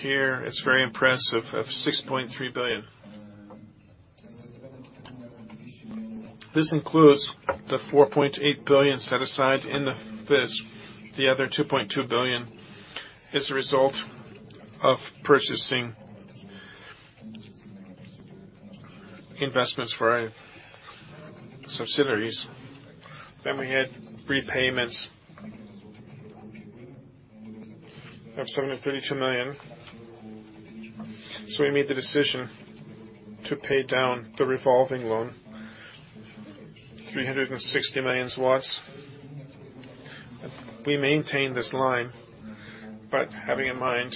Here, it's very impressive of 6.3 billion. This includes the 4.8 billion set aside in the FIZ. The other 2.2 billion is a result of purchasing investments for our subsidiaries. We had repayments of 732 million. We made the decision to pay down the revolving loan, PLN 360 million. We maintain this line, but having in mind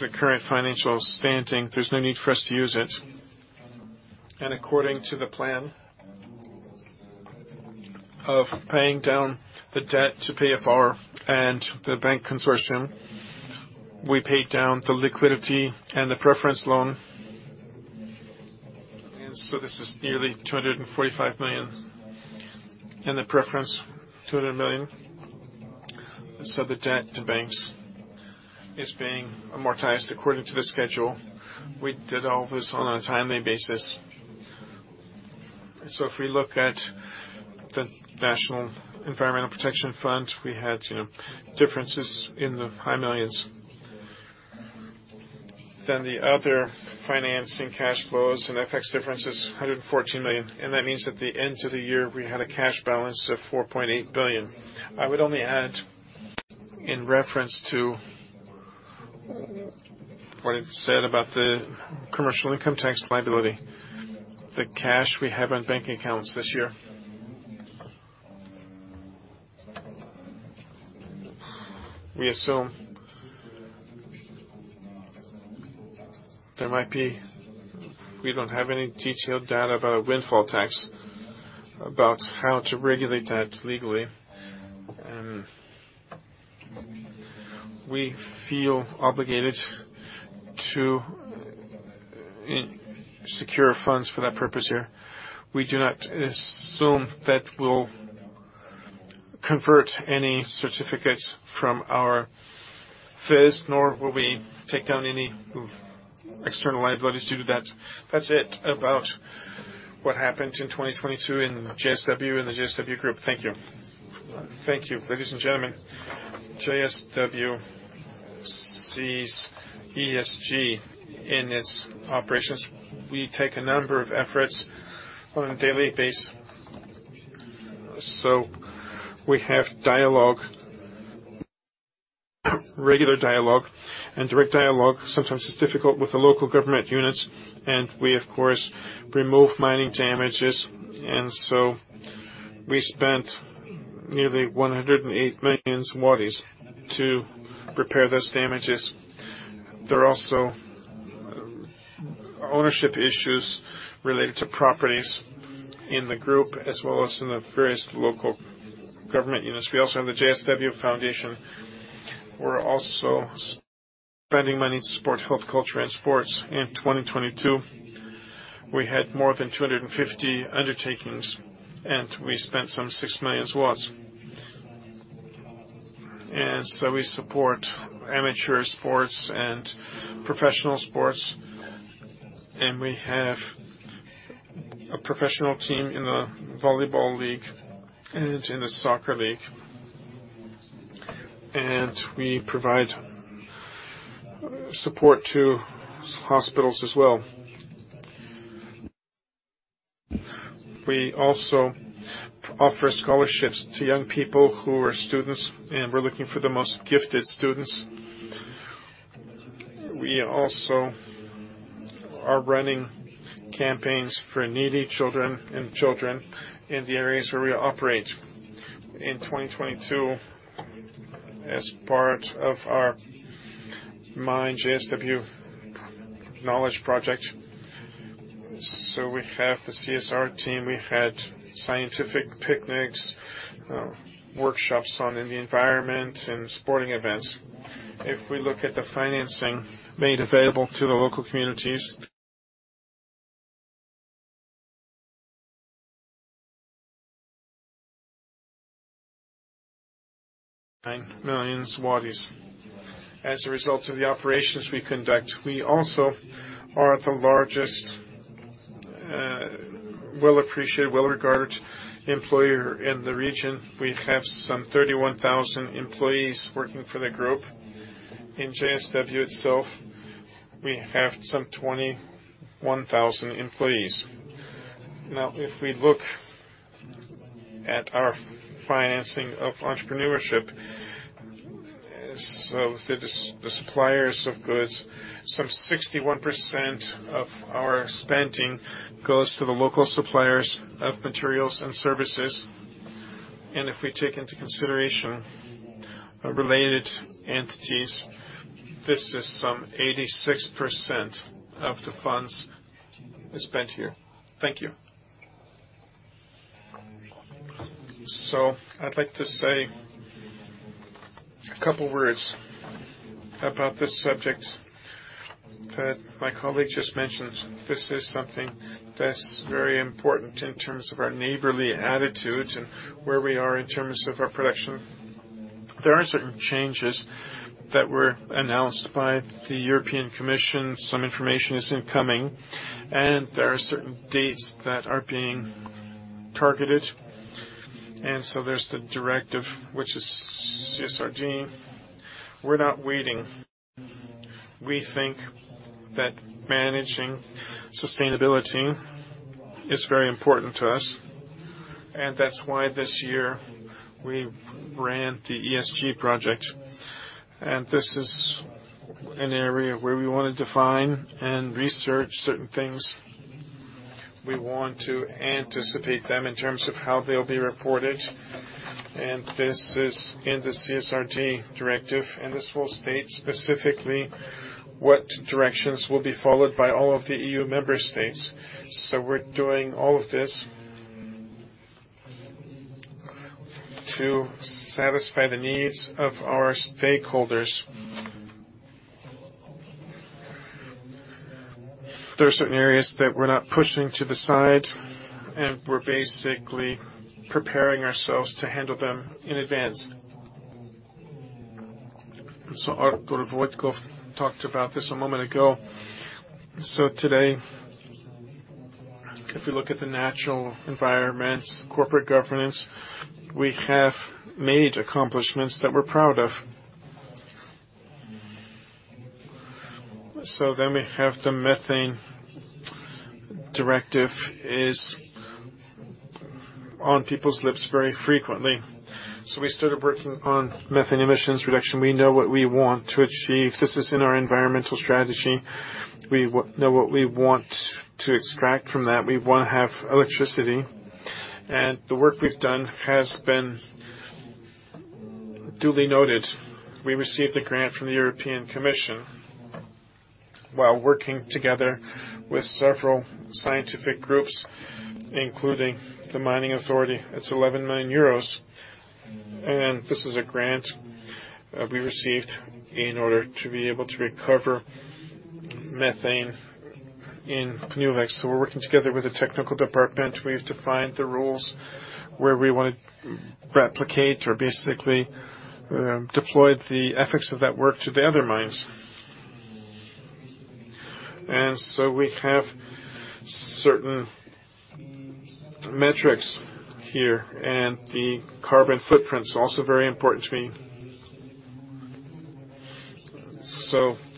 the current financial standing, there's no need for us to use it. According to the plan of paying down the debt to PFR and the bank consortium, we paid down the liquidity and the preference loan. This is nearly 245 million. The preference, 200 million. The debt to banks is being amortized according to the schedule. We did all this on a timely basis. If we look at the National Environmental Protection Fund, we had, you know, differences in the high millions. The other financing cash flows and FX differences, PLN 114 million. That means at the end of the year, we had a cash balance of 4.8 billion. I would only add, in reference to what it said about the commercial income tax liability, the cash we have on bank accounts this year, we assume there might be. We don't have any detailed data about windfall tax, about how to regulate that legally. We feel obligated to secure funds for that purpose here. We do not assume that we'll convert any certificates from our fees, nor will we take down any external liabilities due to that. That's it about what happened in 2022 in JSW and the JSW Group. Thank you. Thank you. Ladies and gentlemen, JSW sees ESG in its operations. We take a number of efforts on a daily base. We have dialogue, regular dialogue, and direct dialogue. Sometimes it's difficult with the local government units, and we of course, remove mining damages. We spent nearly 108 million zlotys to repair those damages. There are also ownership issues related to properties in the Group, as well as in the various local government units. We also have the JSW Foundation. We're also spending money to support health, culture, and sports. In 2022, we had more than 250 undertakings, we spent some 6 million. We support amateur sports and professional sports, we have a professional team in the volleyball league and in the soccer league. We provide support to hospitals as well. We also offer scholarships to young people who are students, we're looking for the most gifted students. We also are running campaigns for needy children and children in the areas where we operate. In 2022, as part of our My JSW Knowledge project, so we have the CSR team, we had scientific picnics, workshops on the environment and sporting events. If we look at the financing made available to the local communities, 9 million. As a result of the operations we conduct, we also are the largest, well appreciated, well-regarded employer in the region. We have some 31,000 employees working for the group. In JSW itself, we have some 21,000 employees. If we look at our financing of entrepreneurship, so the suppliers of goods, some 61% of our spending goes to the local suppliers of materials and services. If we take into consideration related entities, this is some 86% of the funds we spent here. Thank you. I'd like to say a couple words about this subject that my colleague just mentioned. This is something that's very important in terms of our neighborly attitudes and where we are in terms of our production. There are certain changes that were announced by the European Commission. Some information is incoming, and there are certain dates that are being targeted. There's the directive, which is CSRD. We're not waiting. We think that managing sustainability is very important to us, and that's why this year we ran the ESG project. This is an area where we want to define and research certain things. We want to anticipate them in terms of how they'll be reported. This is in the CSRD directive, and this will state specifically what directions will be followed by all of the EU member states. We're doing all of this to satisfy the needs of our stakeholders. There are certain areas that we're not pushing to the side, and we're basically preparing ourselves to handle them in advance. Artur Wojtków talked about this a moment ago. Today, if you look at the natural environments, corporate governance, we have made accomplishments that we're proud of. We have the Methane directive is on people's lips very frequently. We started working on methane emissions reduction. We know what we want to achieve. This is in our environmental strategy. We know what we want to extract from that. We want to have electricity. The work we've done has been duly noted. We received a grant from the European Commission while working together with several scientific groups, including the mining authority. It's 11 million euros, this is a grant we received in order to be able to recover methane in Pniówek. We're working together with the technical department. We've defined the rules where we wanna replicate or basically deploy the ethics of that work to the other mines. We have certain metrics here, the carbon footprint is also very important to me.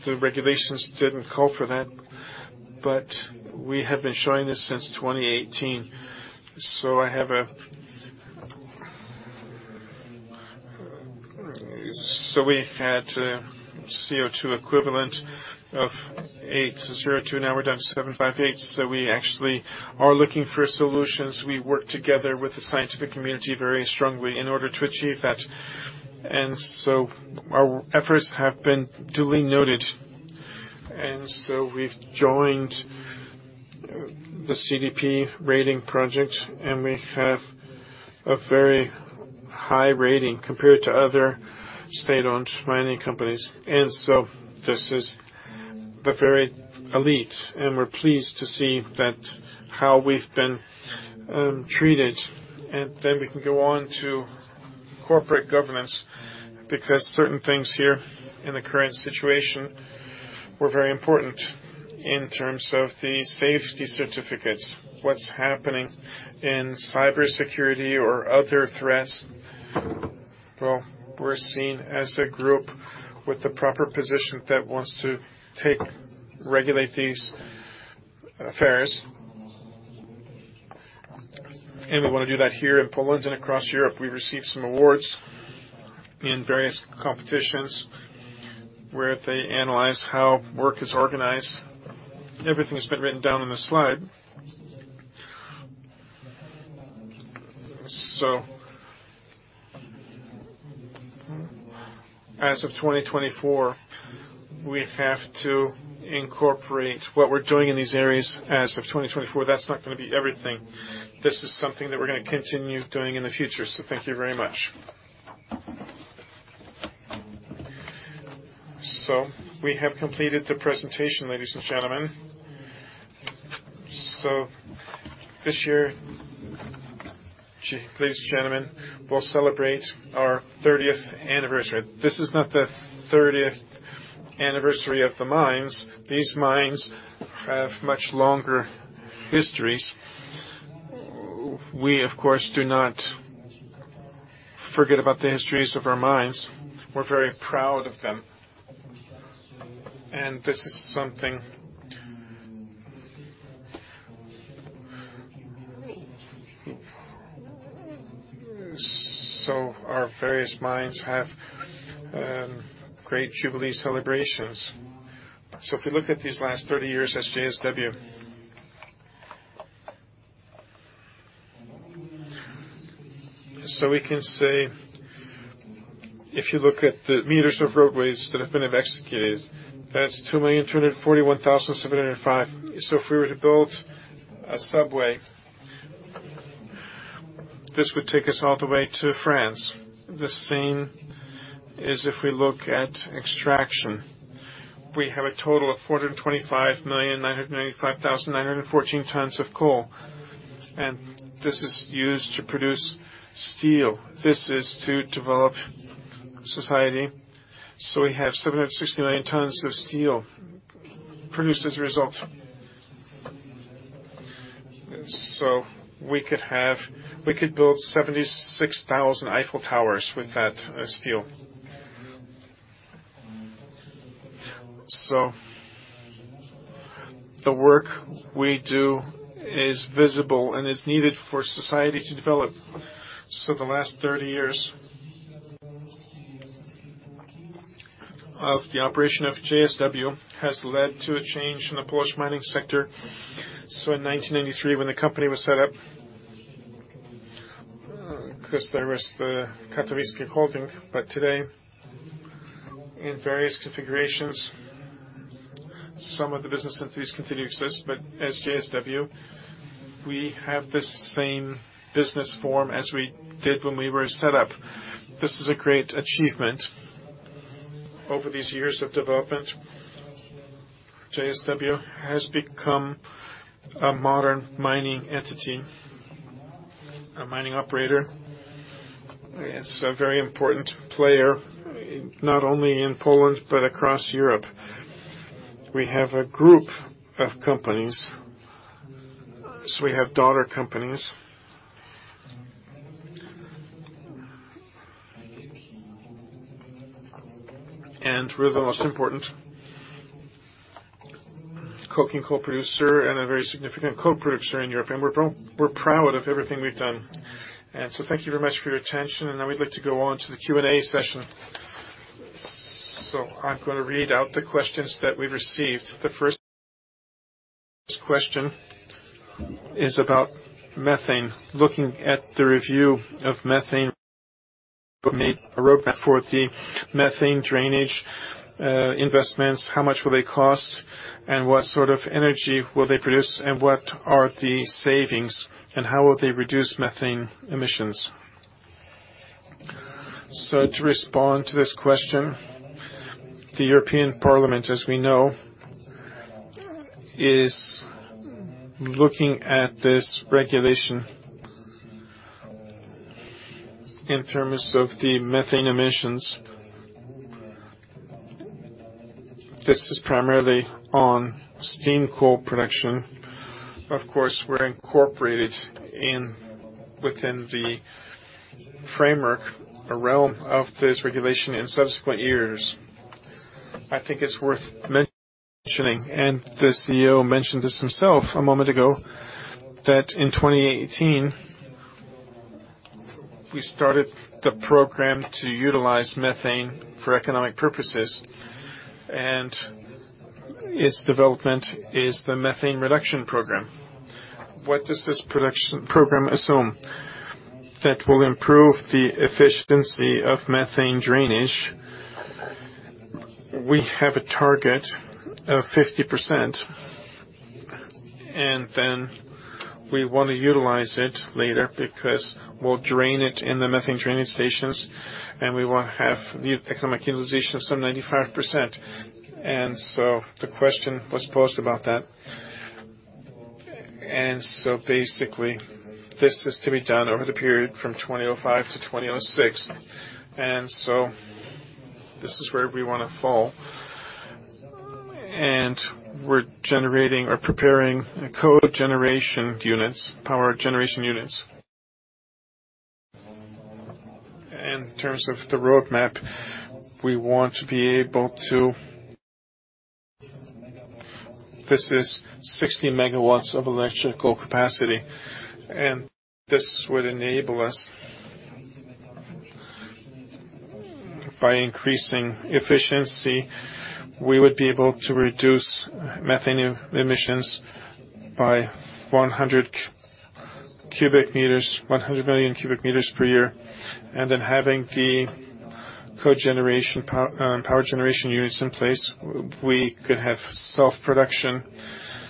The regulations didn't call for that, we have been showing this since 2018. We had CO₂ equivalent of 802, now we're down to 758. We actually are looking for solutions. We work together with the scientific community very strongly in order to achieve that. Our efforts have been duly noted. We've joined the CDP rating project, and we have a very high rating compared to other state-owned mining companies. This is the very elite, and we're pleased to see that how we've been treated. Then we can go on to corporate governance because certain things here in the current situation were very important in terms of the safety certificates, what's happening in cybersecurity or other threats. We're seen as a group with the proper position that wants to regulate these affairs. We wanna do that here in Poland and across Europe. We received some awards in various competitions where they analyze how work is organized. Everything has been written down on the slide. As of 2024, we have to incorporate what we're doing in these areas as of 2024. That's not gonna be everything. This is something that we're gonna continue doing in the future. Thank you very much. We have completed the presentation, ladies and gentlemen. This year, ladies and gentlemen, we'll celebrate our 30th anniversary. This is not the 30th anniversary of the mines. These mines have much longer histories. We, of course, do not forget about the histories of our mines. We're very proud of them. This is something. Our various mines have great jubilee celebrations. If you look at these last 30 years as JSW. We can say, if you look at the meters of roadways that have been executed, that's 2,241,705. If we were to build a subway, this would take us all the way to France. The same is if we look at extraction. We have a total of 425,995,914 tons of coal, and this is used to produce steel. This is to develop society. We have 760 million tons of steel produced as a result. We could build 76,000 Eiffel Towers with that steel. The work we do is visible and is needed for society to develop. The last 30 years of the operation of JSW has led to a change in the Polish mining sector. In 1983, when the company was set up, 'cause there was the Katowicki Holding, today in various configurations, some of the business entities continue to exist. As JSW, we have the same business form as we did when we were set up. This is a great achievement. Over these years of development, JSW has become a modern mining entity, a mining operator. It's a very important player, not only in Poland but across Europe. We have a group of companies, we have daughter companies. We're the most important coking coal producer and a very significant coal producer in Europe. We're proud of everything we've done. Thank you very much for your attention. Now we'd like to go on to the Q&A session. I'm gonna read out the questions that we received. The first question is about methane. Looking at the review of methane, we made a roadmap for the methane drainage investments. How much will they cost, and what sort of energy will they produce, and what are the savings, and how will they reduce methane emissions? To respond to this question, the European Parliament, as we know, is looking at this regulation in terms of the methane emissions. This is primarily on steam coal production. Of course, we're incorporated in within the framework, a realm of this regulation in subsequent years. I think it's worth mentioning, and the CEO mentioned this himself a moment ago, that in 2018, we started the program to utilize methane for economic purposes, and its development is the methane reduction program. What does this production program assume? That will improve the efficiency of methane drainage. We have a target of 50%, then we want to utilize it later because we'll drain it in the methane drainage stations, and we will have the economic utilization of some 95%. The question was posed about that. Basically, this is to be done over the period from 2005 to 2006. This is where we want to fall. We're generating or preparing cogeneration units, power generation units. In terms of the roadmap, we want to be able to. This is 60 MW of electrical capacity, and this would enable us by increasing efficiency, we would be able to reduce methane emissions by 100 cu m, 100 million cubic meters per year. Having the cogeneration power generation units in place, we could have self-production,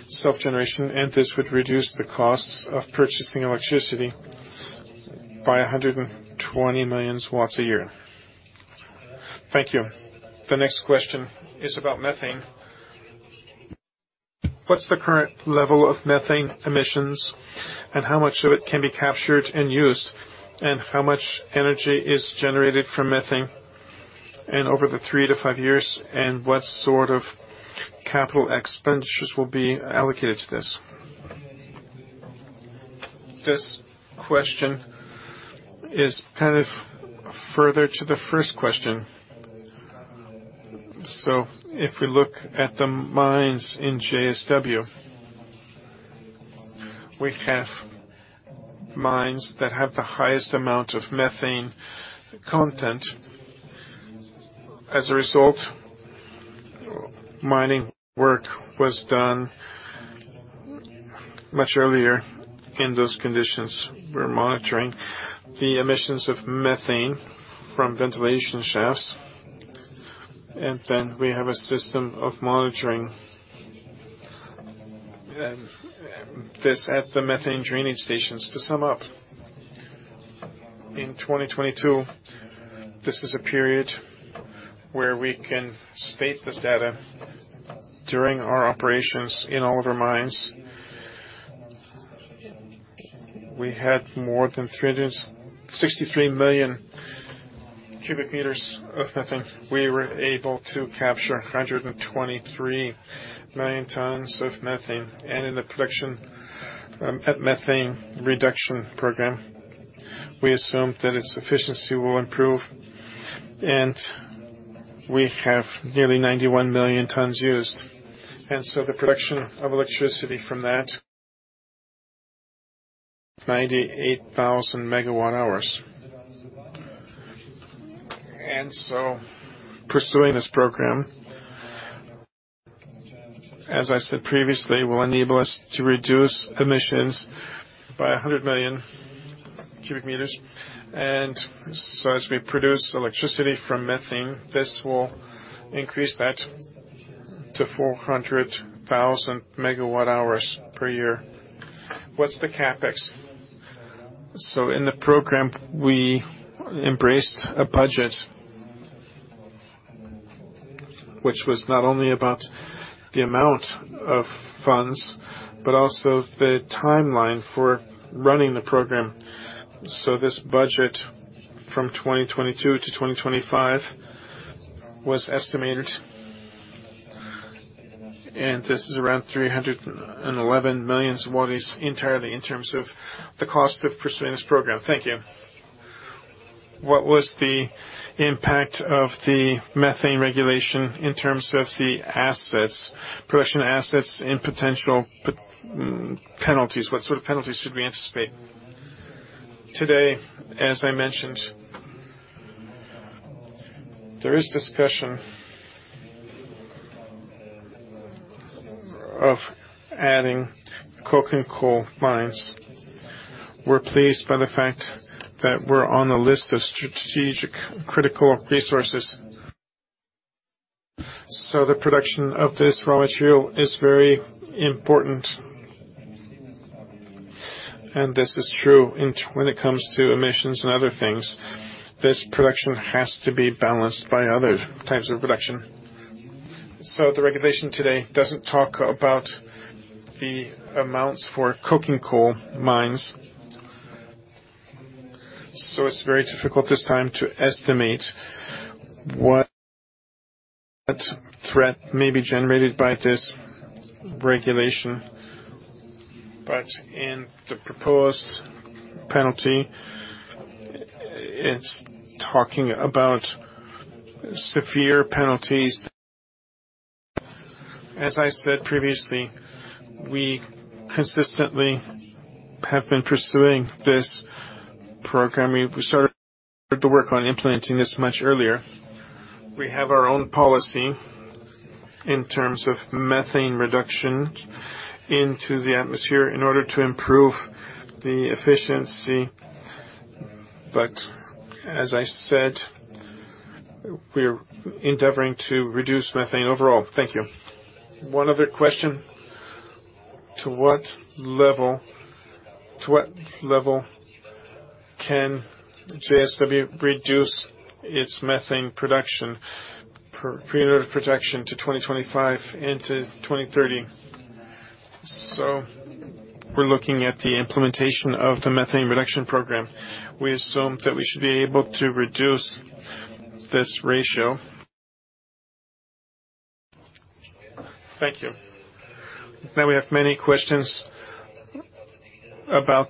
self-generation, and this would reduce the costs of purchasing electricity by 120 million watts a year. Thank you. The next question is about methane. What's the current level of methane emissions, and how much of it can be captured and used, and how much energy is generated from methane and over the three to five years, and what sort of capital expenditures will be allocated to this? This question is kind of further to the first question. If we look at the mines in JSW, we have mines that have the highest amount of methane content. As a result, mining work was done much earlier in those conditions. We're monitoring the emissions of methane from ventilation shafts, and then we have a system of monitoring this at the methane drainage stations. To sum up, in 2022, this is a period where we can state this data during our operations in all of our mines. We had more than 363 million cubic meters of methane. We were able to capture 123 million tons of methane. In the production at methane reduction program, we assumed that its efficiency will improve, and we have nearly 91 million tons used. The production of electricity from that 98,000 MW hours. Pursuing this program, as I said previously, will enable us to reduce emissions by 100 million cubic meters. As we produce electricity from methane, this will increase that to 400,000 MW hours per year. What's the CapEx? In the program, we embraced a budget which was not only about the amount of funds, but also the timeline for running the program. This budget from 2022 to 2025 was estimated, and this is around 311 million zlotys entirely in terms of the cost of pursuing this program. Thank you. What was the impact of the methane regulation in terms of the assets, production assets and potential penalties? What sort of penalties should we anticipate? Today, as I mentioned, there is discussion of adding coking coal mines. We're pleased by the fact that we're on the list of strategic critical resources. The production of this raw material is very important. This is true when it comes to emissions and other things. This production has to be balanced by other types of production. The regulation today doesn't talk about the amounts for coking coal mines. It's very difficult this time to estimate what threat may be generated by this regulation. In the proposed penalty, it's talking about severe penalties. As I said previously, we consistently have been pursuing this program. We started to work on implementing this much earlier. We have our own policy in terms of methane reduction into the atmosphere in order to improve the efficiency. As I said, we're endeavoring to reduce methane overall. Thank you. One other question. To what level can JSW reduce its methane production per period of production to 2025 into 2030? We're looking at the implementation of the methane reduction program. We assume that we should be able to reduce this ratio. Thank you. Now we have many questions about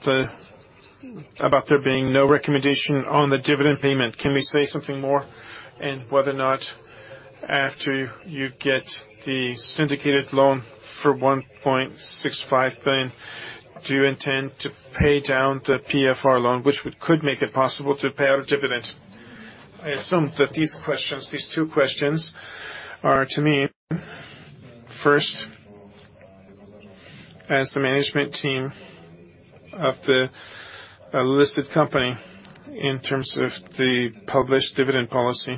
there being no recommendation on the dividend payment. Can we say something more and whether or not after you get the syndicated loan for 1.65 billion, do you intend to pay down the PFR loan, which could make it possible to pay out a dividend? I assume that these questions, these two questions are to me. First, as the management team of a listed company in terms of the published dividend policy,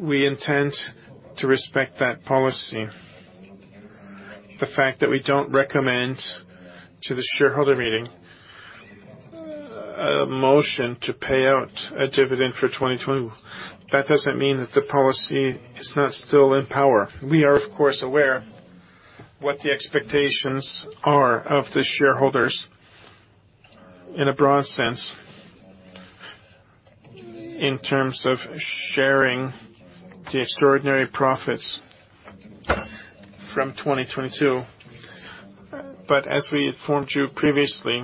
we intend to respect that policy. The fact that we don't recommend to the shareholder meeting a motion to pay out a dividend for 2020, that doesn't mean that the policy is not still in power. We are, of course, aware what the expectations are of the shareholders in a broad sense in terms of sharing the extraordinary profits from 2022. As we informed you previously,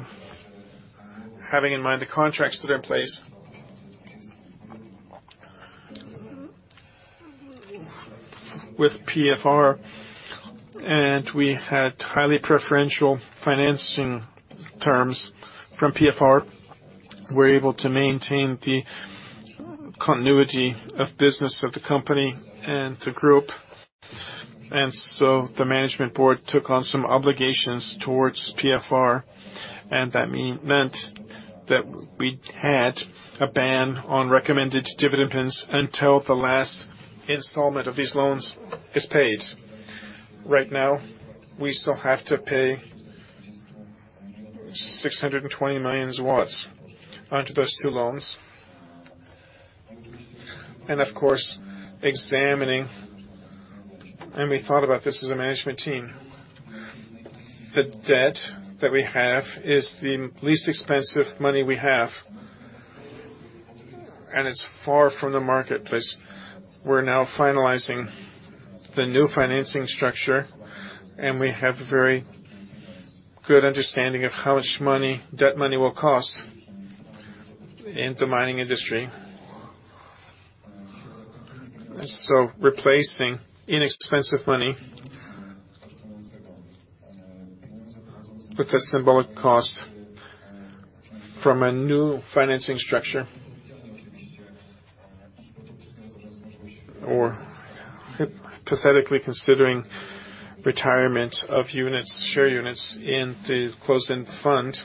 having in mind the contracts that are in place with PFR, and we had highly preferential financing terms from PFR. We're able to maintain the continuity of business of the company and the group. The management board took on some obligations towards PFR, and that meant that we had a ban on recommended dividends until the last installment of these loans is paid. Right now, we still have to pay 620 million onto those two loans. Of course, examining, and we thought about this as a management team, the debt that we have is the least expensive money we have, and it's far from the marketplace. We're now finalizing the new financing structure, and we have a very good understanding of how much money, debt money will cost in the mining industry. Replacing inexpensive money with a symbolic cost from a new financing structure or hypothetically considering retirement of units, share units in the closed-end fund,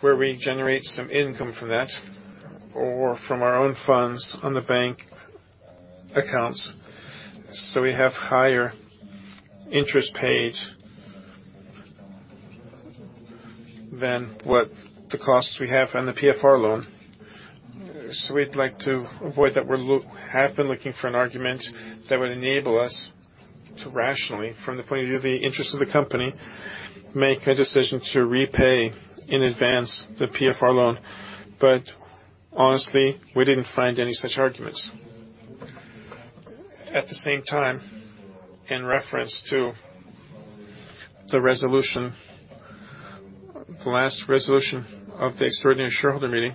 where we generate some income from that or from our own funds on the bank accounts. We have higher interest paid than what the costs we have on the PFR loan. We'd like to avoid that. We have been looking for an argument that would enable us to rationally, from the point of view of the interest of the company, make a decision to repay in advance the PFR loan. Honestly, we didn't find any such arguments. At the same time, in reference to the resolution, the last resolution of the extraordinary shareholder meeting,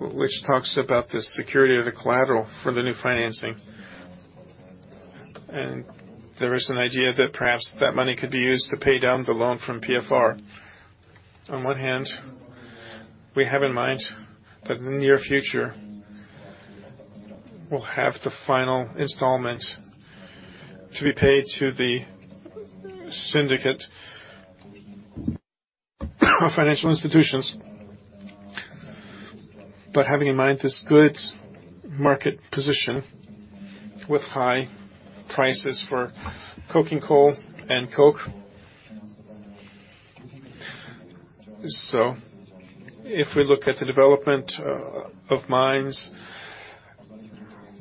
which talks about the security of the collateral for the new financing. There is an idea that perhaps that money could be used to pay down the loan from PFR. On one hand, we have in mind that in the near future, we'll have the final installment to be paid to the syndicate of financial institutions. Having in mind this good market position with high prices for coking coal and coke. If we look at the development of mines,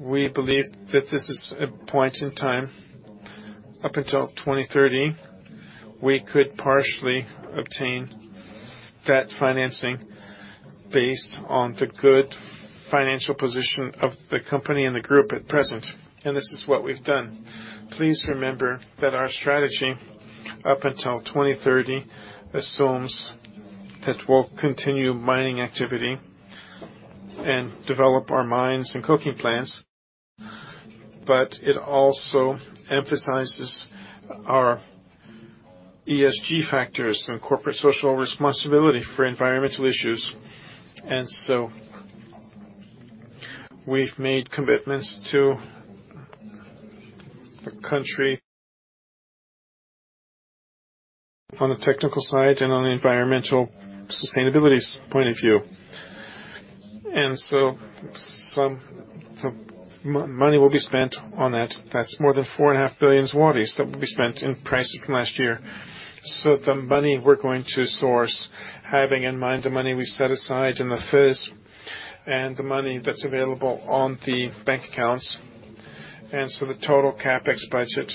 we believe that this is a point in time, up until 2030, we could partially obtain that financing based on the good financial position of the company and the group at present. This is what we've done. Please remember that our strategy up until 2030 assumes that we'll continue mining activity and develop our mines and coking plants. It also emphasizes our ESG factors and corporate social responsibility for environmental issues. We've made commitments to the country on a technical side and on the environmental sustainability's point of view. Some money will be spent on that. That's more than 4.5 billion zlotys That will be spent in prices from last year. The money we're going to source, having in mind the money we've set aside in the FIZ and the money that's available on the bank accounts. The total CapEx budget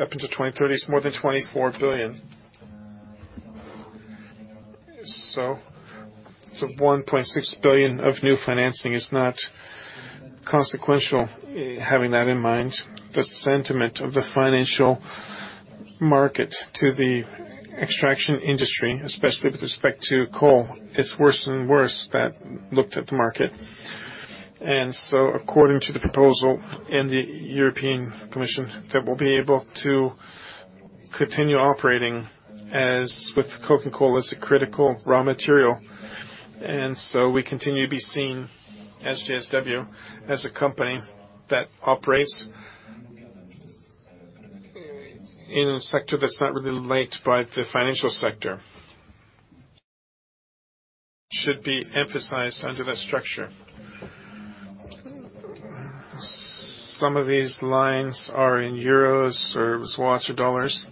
up until 2030 is more than 24 billion. The 1.6 billion of new financing is not consequential, having that in mind. The sentiment of the financial market to the extraction industry, especially with respect to coal, is worse and worse that looked at the market. According to the proposal in the European Commission, that we'll be able to continue operating as with coking coal as a critical raw material. We continue to be seen as JSW as a company that operates in a sector that's not really liked by the financial sector. Should be emphasized under that structure. Some of these lines are in euros or zloty dollars.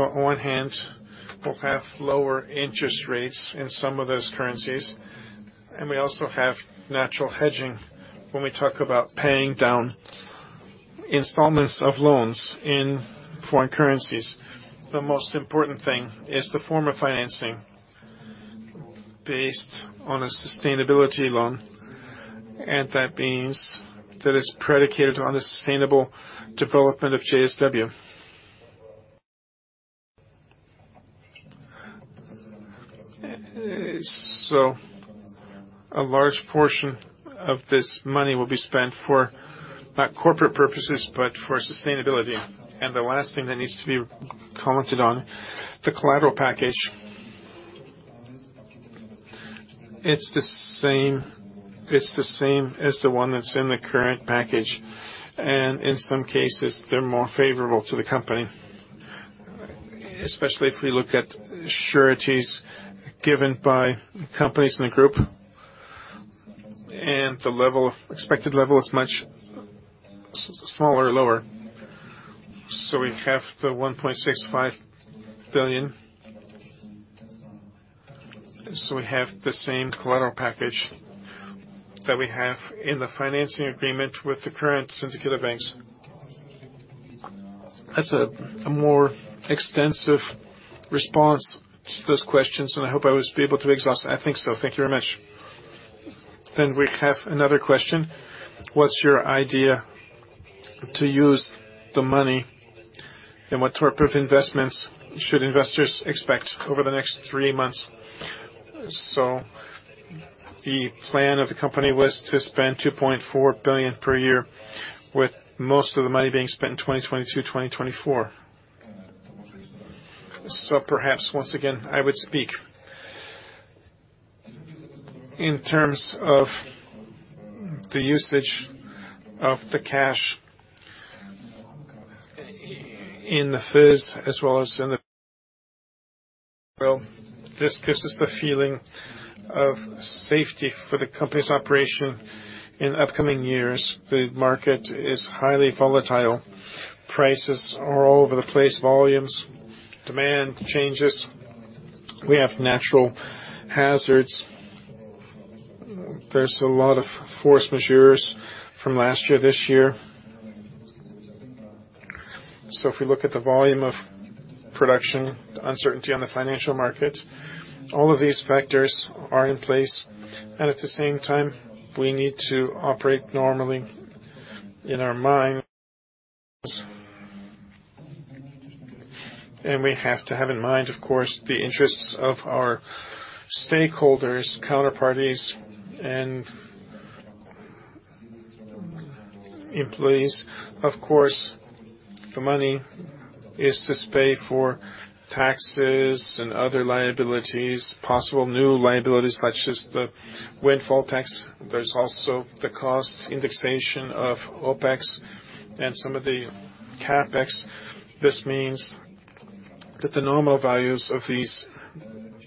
On one hand, we'll have lower interest rates in some of those currencies, and we also have natural hedging when we talk about paying down installments of loans in foreign currencies. The most important thing is the form of financing based on a sustainability-linked loan, and that means that it's predicated on the sustainable development of JSW. A large portion of this money will be spent for not corporate purposes, but for sustainability. The last thing that needs to be commented on, the collateral package. It's the same as the one that's in the current package, and in some cases, they're more favorable to the company, especially if we look at sureties given by companies in the group. The level, expected level is much smaller or lower. We have the PLN 1.65 billion. We have the same collateral package that we have in the financing agreement with the current syndicator banks. That's a more extensive response to those questions, and I hope I was able to exhaust. I think so. Thank you very much. We have another question. What's your idea to use the money and what type of investments should investors expect over the next three months? The plan of the company was to spend 2.4 billion per year, with most of the money being spent in 2022, 2024. Perhaps once again, I would speak. In terms of the usage of the cash in the FIZ as well as in the. Well, this gives us the feeling of safety for the company's operation in upcoming years. The market is highly volatile. Prices are all over the place, volumes, demand changes. We have natural hazards. There's a lot of force majeurs from last year, this year. If we look at the volume of production, the uncertainty on the financial market, all of these factors are in place. At the same time, we need to operate normally in our mines. We have to have in mind, of course, the interests of our stakeholders, counterparties, and employees. The money is to pay for taxes and other liabilities, possible new liabilities, such as the windfall tax. There's also the cost indexation of OpEx and some of the CapEx. This means that the normal values of these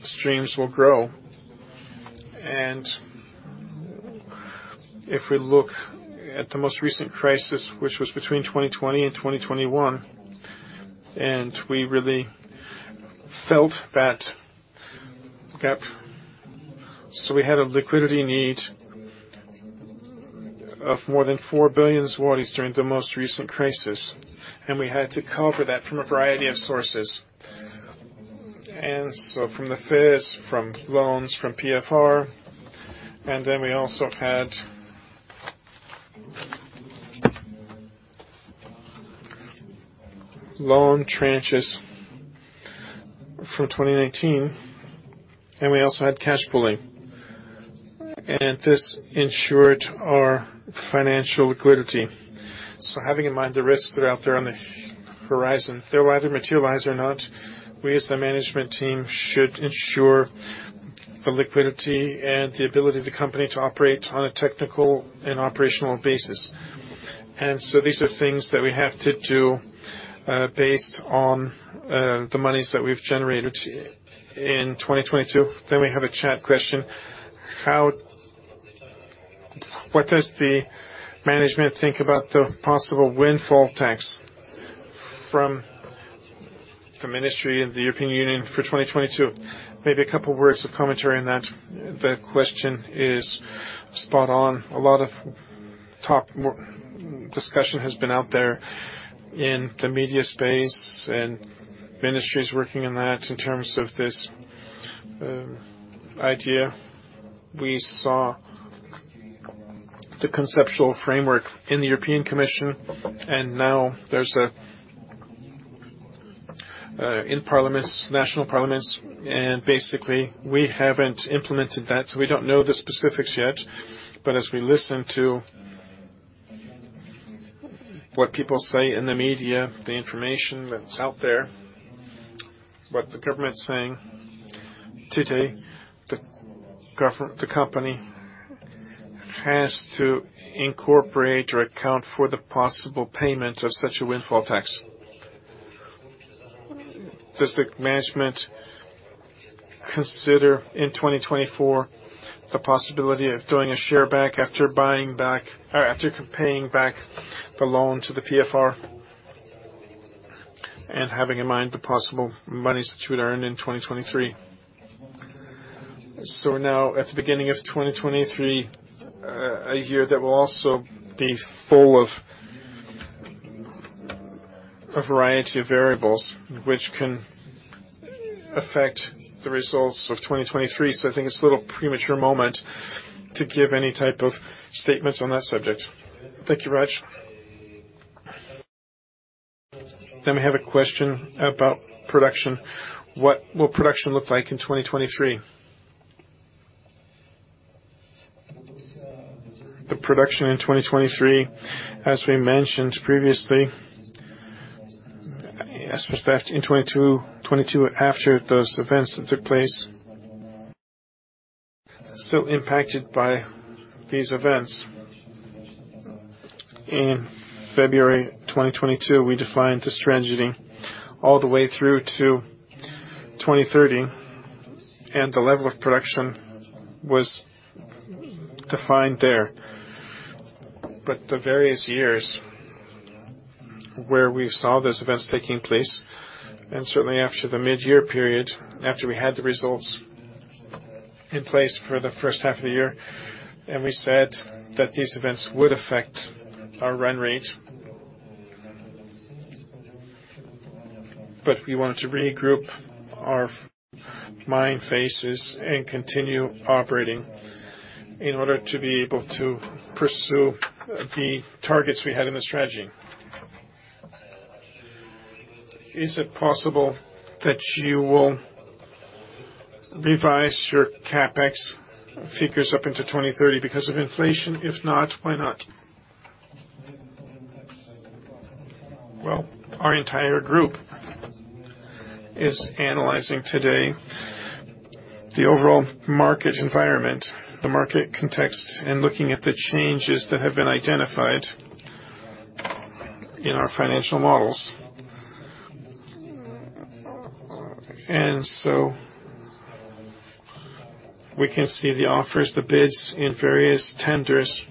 streams will grow. If we look at the most recent crisis, which was between 2020 and 2021, we really felt that gap. We had a liquidity need of more than 4 billion zlotys during the most recent crisis, and we had to cover that from a variety of sources. From the FIZ, from loans from PFR, then we also had loan tranches from 2019, we also had cash pooling, and this ensured our financial liquidity. Having in mind the risks that are out there on the horizon, they'll either materialize or not, we as the management team should ensure a liquidity and the ability of the company to operate on a technical and operational basis. These are things that we have to do, based on the monies that we've generated in 2022. We have a chat question. What does the management think about the possible windfall tax from the Ministry and the European Union for 2022? Maybe a couple words of commentary on that. The question is spot on. A lot of talk, more, discussion has been out there in the media space and Ministries working on that in terms of this idea. We saw the conceptual framework in the European Commission. Now there's a in parliaments, national parliaments, and basically we haven't implemented that, so we don't know the specifics yet. As we listen to what people say in the media, the information that's out there, what the government's saying today, the company has to incorporate or account for the possible payment of such a windfall tax. Does the management consider in 2024 the possibility of doing a share back after buying back or after paying back the loan to the PFR? Having in mind the possible monies that you would earn in 2023. Now at the beginning of 2023, a year that will also be full of a variety of variables, which can affect the results of 2023. I think it's a little premature moment to give any type of statements on that subject. Thank you, Raj. We have a question about production. What will production look like in 2023? The production in 2023, as we mentioned previously, especially after in 2022 after those events that took place, still impacted by these events. In February 2022, we defined the strategy all the way through to 2030, and the level of production was defined there. The various years where we saw those events taking place, and certainly after the mid-year period, after we had the results in place for the first half of the year, and we said that these events would affect our run rate. We wanted to regroup our mine phases and continue operating in order to be able to pursue the targets we had in the strategy. Is it possible that you will revise your CapEx figures up into 2030 because of inflation? If not, why not? Our entire group is analyzing today the overall market environment, the market context, and looking at the changes that have been identified in our financial models. We can see the offers, the bids in various tenders.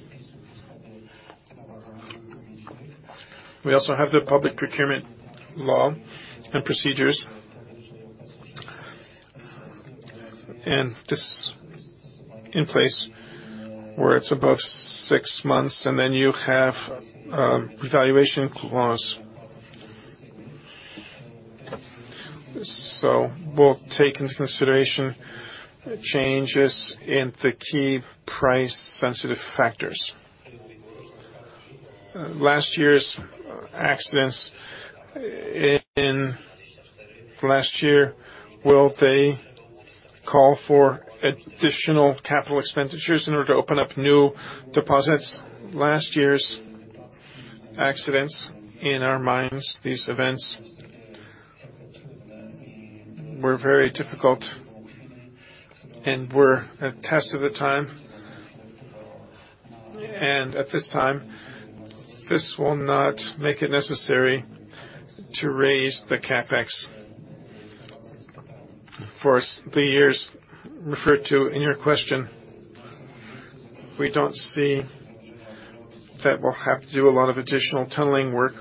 We also have the public procurement law and procedures. This in place where it's above six months, and then you have evaluation clause. We'll take into consideration changes in the key price-sensitive factors. Last year's accidents last year, will they call for additional capital expenditures in order to open up new deposits? Last year's accidents in our mines, these events were very difficult and were a test of the time. At this time, this will not make it necessary to raise the CapEx for the years referred to in your question. We don't see that we'll have to do a lot of additional tunneling work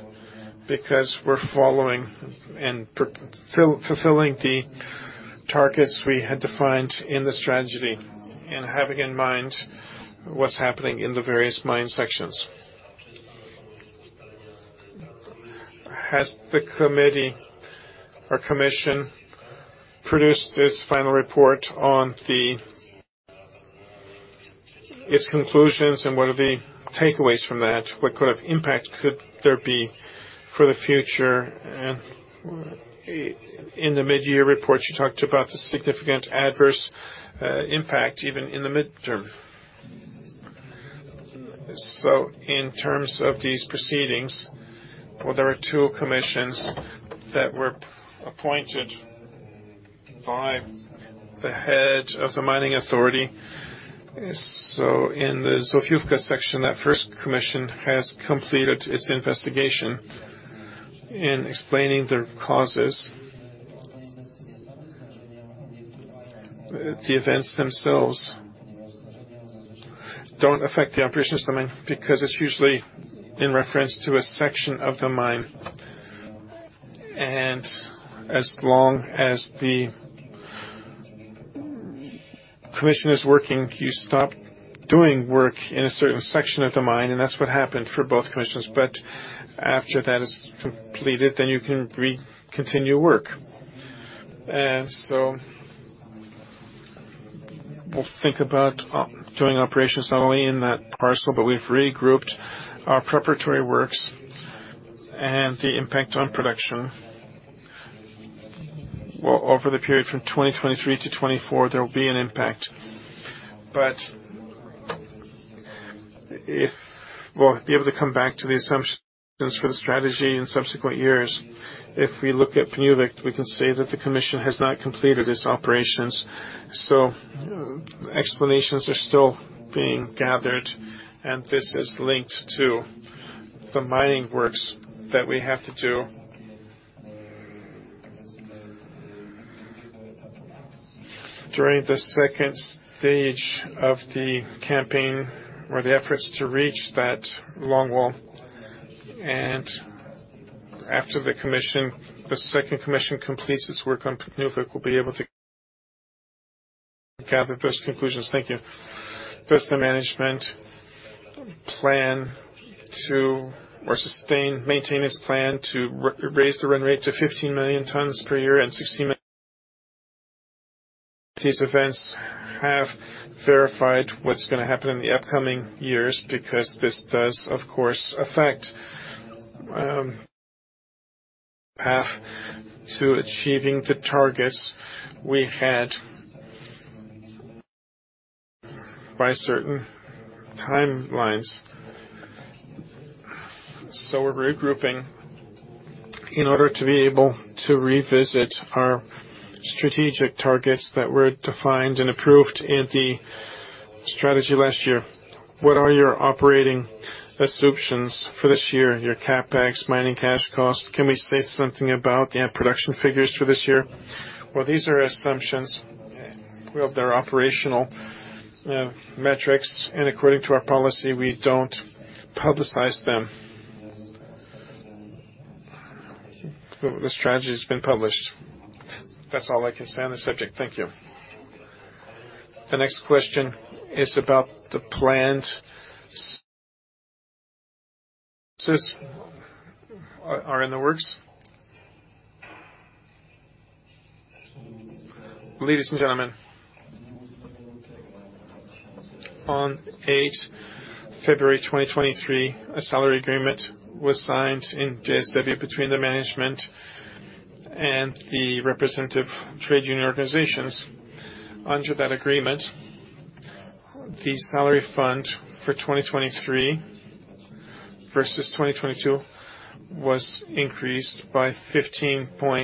because we're following and fulfilling the targets we had defined in the strategy and having in mind what's happening in the various mine sections. Has the committee or commission produced its final report? Its conclusions and what are the takeaways from that? What kind of impact could there be for the future? In the mid-year report, you talked about the significant adverse impact even in the midterm. In terms of these proceedings, well, there are two commissions that were appointed by the head of the mining authority. In the Zofiówka section, that first commission has completed its investigation in explaining the causes. The events themselves don't affect the operations domain because it's usually in reference to a section of the mine. As long as the commission is working, you stop doing work in a certain section of the mine, and that's what happened for both commissions. After that is completed, you can re-continue work. We'll think about doing operations not only in that parcel, but we've regrouped our preparatory works and the impact on production. Over the period from 2023 to 2024, there will be an impact. If we'll be able to come back to the assumptions for the strategy in subsequent years, if we look at Pniówek, we can say that the commission has not completed its operations. Explanations are still being gathered, and this is linked to the mining works that we have to do. During the second stage of the campaign or the efforts to reach that longwall, and after the commission, the second commission completes its work on Pniówek, we'll be able to gather those conclusions. Thank you. Does the management plan to or sustain, maintain its plan to raise the run rate to 15 million tons per year? These events have verified what's gonna happen in the upcoming years because this does, of course, affect path to achieving the targets we had by certain timelines. We're regrouping in order to be able to revisit our strategic targets that were defined and approved in the strategy last year. What are your operating assumptions for this year, your CapEx, mining cash cost? Can we say something about the production figures for this year? These are assumptions. They're operational metrics, and according to our policy, we don't publicize them. The strategy has been published. That's all I can say on this subject. Thank you. The next question is about the planned are in the works. Ladies and gentlemen, on 8th February 2023, a salary agreement was signed in JSW between the management and the representative trade union organizations. Under that agreement, the salary fund for 2023 versus 2022 was increased by 15.4%.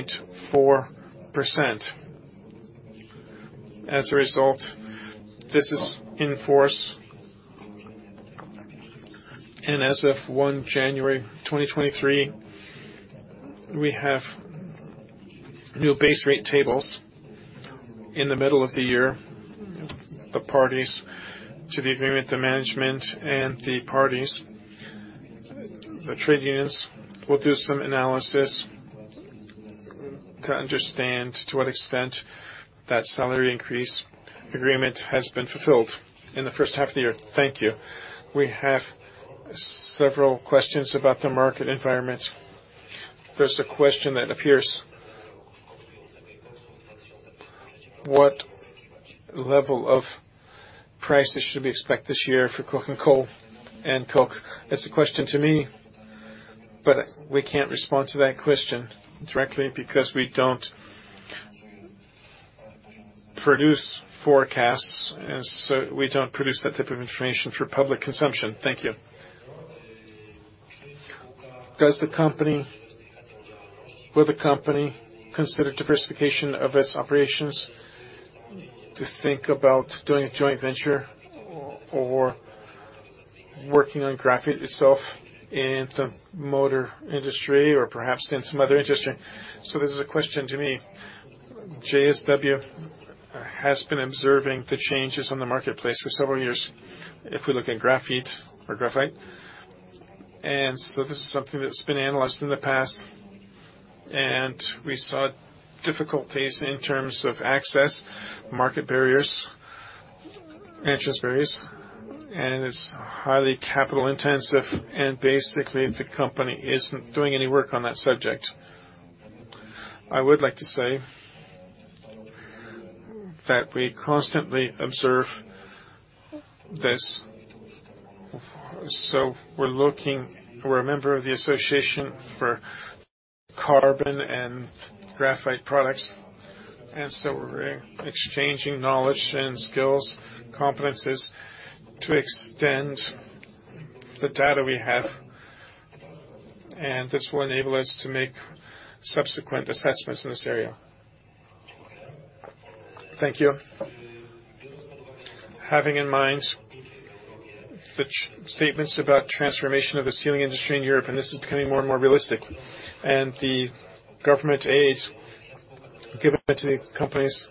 As a result, this is in force. As of 1 January 2023, we have new base rate tables. In the middle of the year, the parties to the agreement, the management and the parties, the trade unions, will do some analysis to understand to what extent that salary increase agreement has been fulfilled in the first half of the year. Thank you. We have several questions about the market environment. There's a question that appears. What level of prices should we expect this year for coking coal and coke? That's a question to me, but we can't respond to that question directly because we don't produce forecasts, we don't produce that type of information for public consumption. Thank you. Will the company consider diversification of its operations to think about doing a joint venture or working on graphite itself in the motor industry or perhaps in some other industry? This is a question to me. JSW has been observing the changes on the marketplace for several years, if we look at graphite or graphite. This is something that's been analyzed in the past, and we saw difficulties in terms of access, market barriers, entrance barriers, and it's highly capital-intensive, and basically, the company isn't doing any work on that subject. I would like to say that we constantly observe this. We're looking. We're a member of the Association for Carbon and Graphite Products, we're exchanging knowledge and skills, competencies to extend the data we have, and this will enable us to make subsequent assessments in this area. Thank you. Having in mind the statements about transformation of the steel industry in Europe, and this is becoming more and more realistic, and the government aids given to the companies,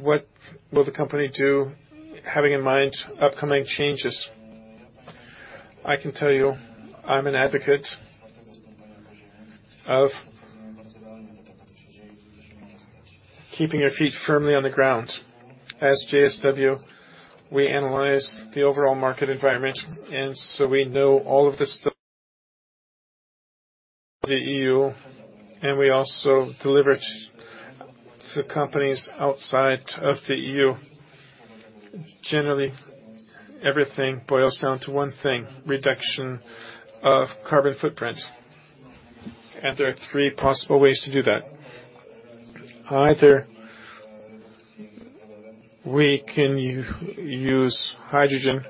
what will the company do having in mind upcoming changes? I can tell you, I'm an advocate of keeping our feet firmly on the ground. As JSW, we analyze the overall market environment, we know all of this stuff the EU, and we also deliver to companies outside of the EU. Generally, everything boils down to one thing, reduction of carbon footprints. There are three possible ways to do that. Either we can use hydrogen,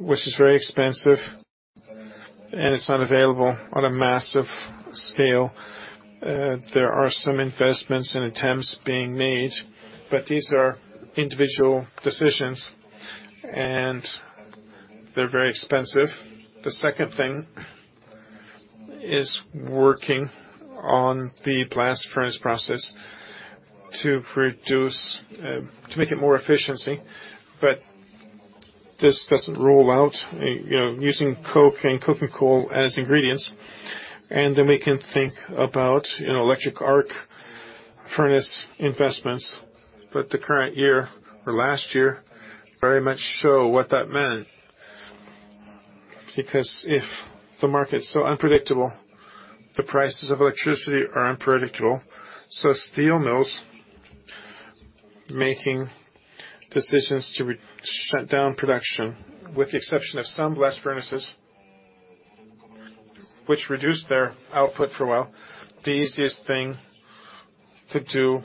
which is very expensive, and it's not available on a massive scale. There are some investments and attempts being made, but these are individual decisions, and they're very expensive. The second thing is working on the blast furnace process to reduce, to make it more efficiency. This doesn't rule out, you know, using coke and coking coal as ingredients. We can think about, you know, electric arc furnace investments. The current year or last year very much show what that meant. If the market's so unpredictable, the prices of electricity are unpredictable. Steel mills making decisions to shut down production, with the exception of some blast furnaces which reduced their output for a while, the easiest thing to do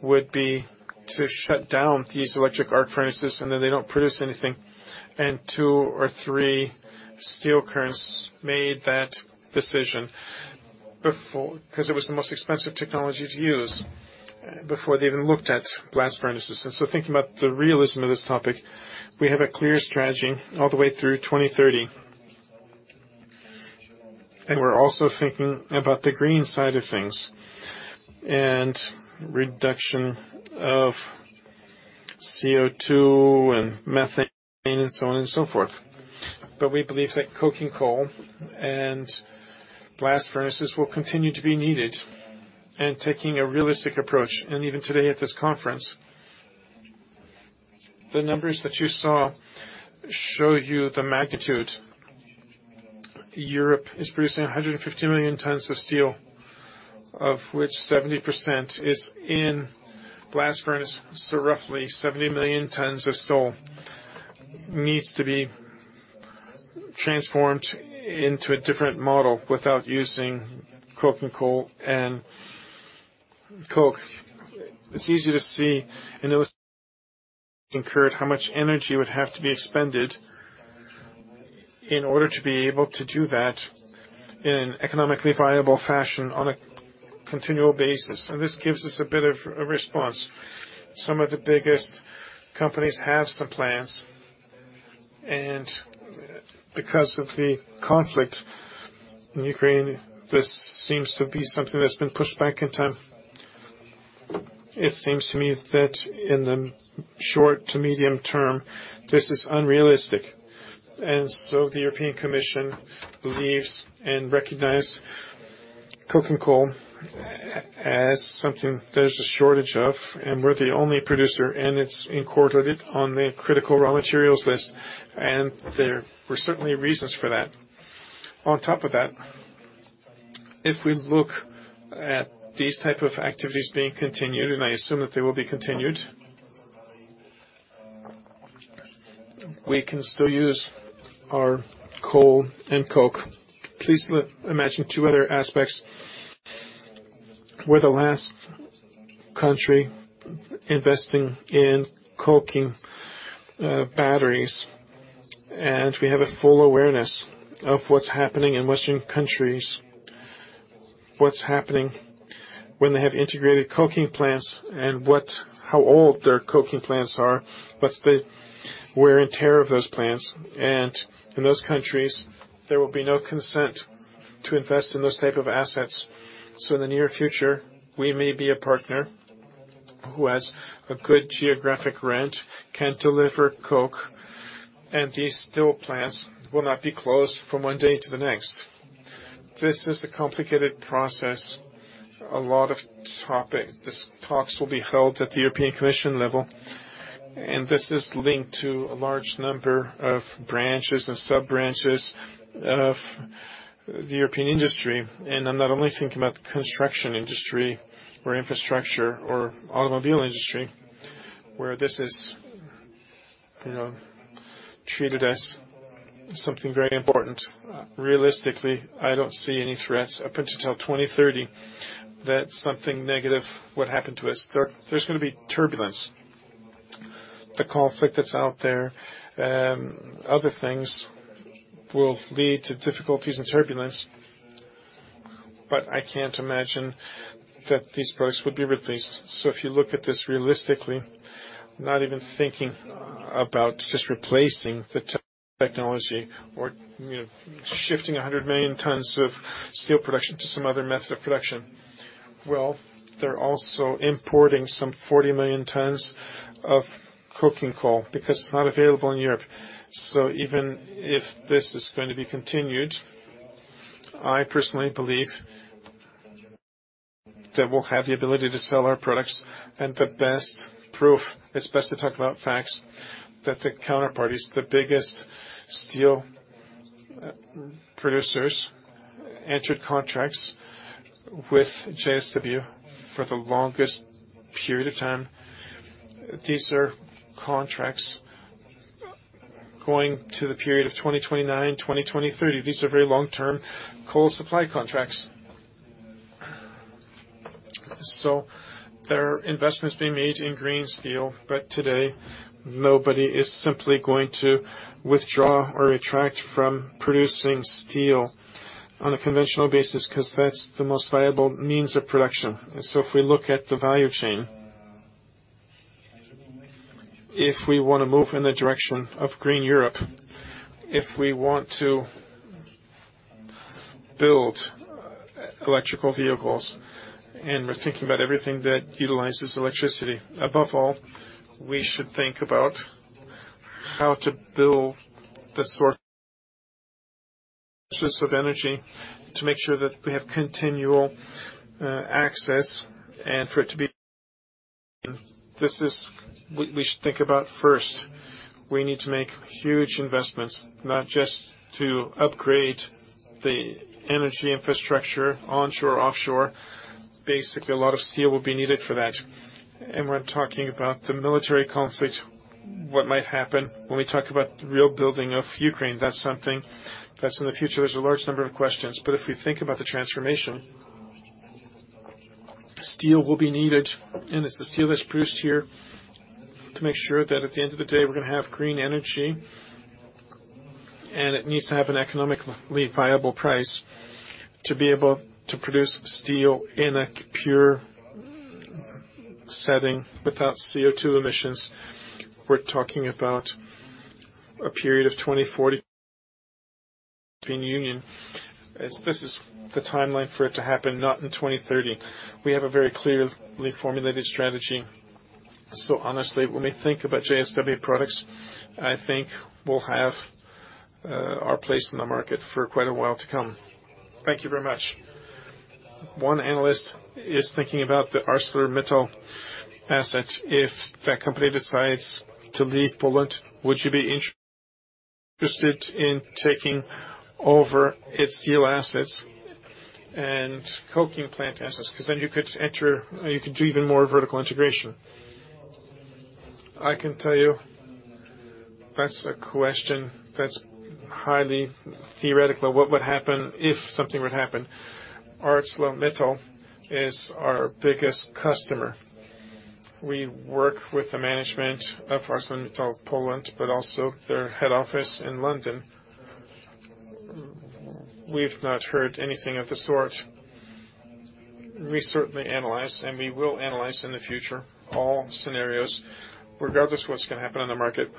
would be to shut down these electric arc furnaces, and then they don't produce anything. Two or three steel currents made that decision before because it was the most expensive technology to use, before they even looked at blast furnaces. Thinking about the realism of this topic, we have a clear strategy all the way through 2030. We're also thinking about the green side of things and reduction of CO₂ and methane and so on and so forth. We believe that coking coal and blast furnaces will continue to be needed and taking a realistic approach. Even today at this conference, the numbers that you saw show you the magnitude. Europe is producing 150 million tons of steel, of which 70% is in blast furnace. Roughly 70 million tons of steel needs to be transformed into a different model without using coking coal and coke. It's easy to see, and it'll incur how much energy would have to be expended in order to be able to do that in an economically viable fashion on a continual basis. This gives us a bit of a response. Some of the biggest companies have some plans, and because of the conflict in Ukraine, this seems to be something that's been pushed back in time. It seems to me that in the short to medium term, this is unrealistic. The European Commission believes and recognize coking coal as something there's a shortage of, we're the only producer, and it's incorporated on the Critical Raw Materials list, and there were certainly reasons for that. On top of that, if we look at these type of activities being continued, I assume that they will be continued, we can still use our coal and coke. Please imagine two other aspects. With the last country investing in coking batteries. We have a full awareness of what's happening in Western countries, what's happening when they have integrated coking plants, and how old their coking plants are, what's the wear and tear of those plants. In those countries, there will be no consent to invest in those type of assets. In the near future, we may be a partner who has a good geographic rent, can deliver coke, and these steel plants will not be closed from one day to the next. This is a complicated process, a lot of topic. These talks will be held at the European Commission level, and this is linked to a large number of branches and sub-branches of the European industry. I'm not only thinking about the construction industry or infrastructure or automobile industry, where this is, you know, treated as something very important. Realistically, I don't see any threats up until 2030 that something negative would happen to us. There's gonna be turbulence. The conflict that's out there, other things will lead to difficulties and turbulence, but I can't imagine that these products would be replaced. If you look at this realistically, not even thinking about just replacing the technology or, you know, shifting 100 million tons of steel production to some other method of production. They're also importing some 40 million tons of coking coal because it's not available in Europe. Even if this is going to be continued, I personally believe that we'll have the ability to sell our products. The best proof, it's best to talk about facts, that the counterparties, the biggest steel producers, entered contracts with JSW for the longest period of time. These are contracts going to the period of 2029, 2030. These are very long-term coal supply contracts. There are investments being made in green steel, but today nobody is simply going to withdraw or retract from producing steel on a conventional basis because that's the most viable means of production. If we look at the value chain, if we wanna move in the direction of green Europe, if we want to build electrical vehicles, and we're thinking about everything that utilizes electricity, above all, we should think about how to build the source of energy to make sure that we have continual access and for it to be. This is we should think about first. We need to make huge investments, not just to upgrade the energy infrastructure onshore, offshore. Basically, a lot of steel will be needed for that. We're talking about the military conflict, what might happen when we talk about the rebuilding of Ukraine. That's something that's in the future. There's a large number of questions. If we think about the transformation, steel will be needed. It's the steel that's produced here to make sure that at the end of the day, we're going to have green energy. It needs to have an economically viable price to be able to produce steel in a pure setting without CO2 emissions. We're talking about a period of 2040 Union. This is the timeline for it to happen, not in 2030. We have a very clearly formulated strategy. Honestly, when we think about JSW products, I think we'll have our place in the market for quite a while to come. Thank you very much. One analyst is thinking about the ArcelorMittal asset. If that company decides to leave Poland, would you be interested in taking over its steel assets and coking plant assets? Then you could do even more vertical integration. I can tell you that's a question that's highly theoretical. What would happen if something would happen? ArcelorMittal is our biggest customer. We work with the management of ArcelorMittal Poland, also their head office in London. We've not heard anything of the sort. We certainly analyze, we will analyze in the future all scenarios, regardless of what's going to happen on the market.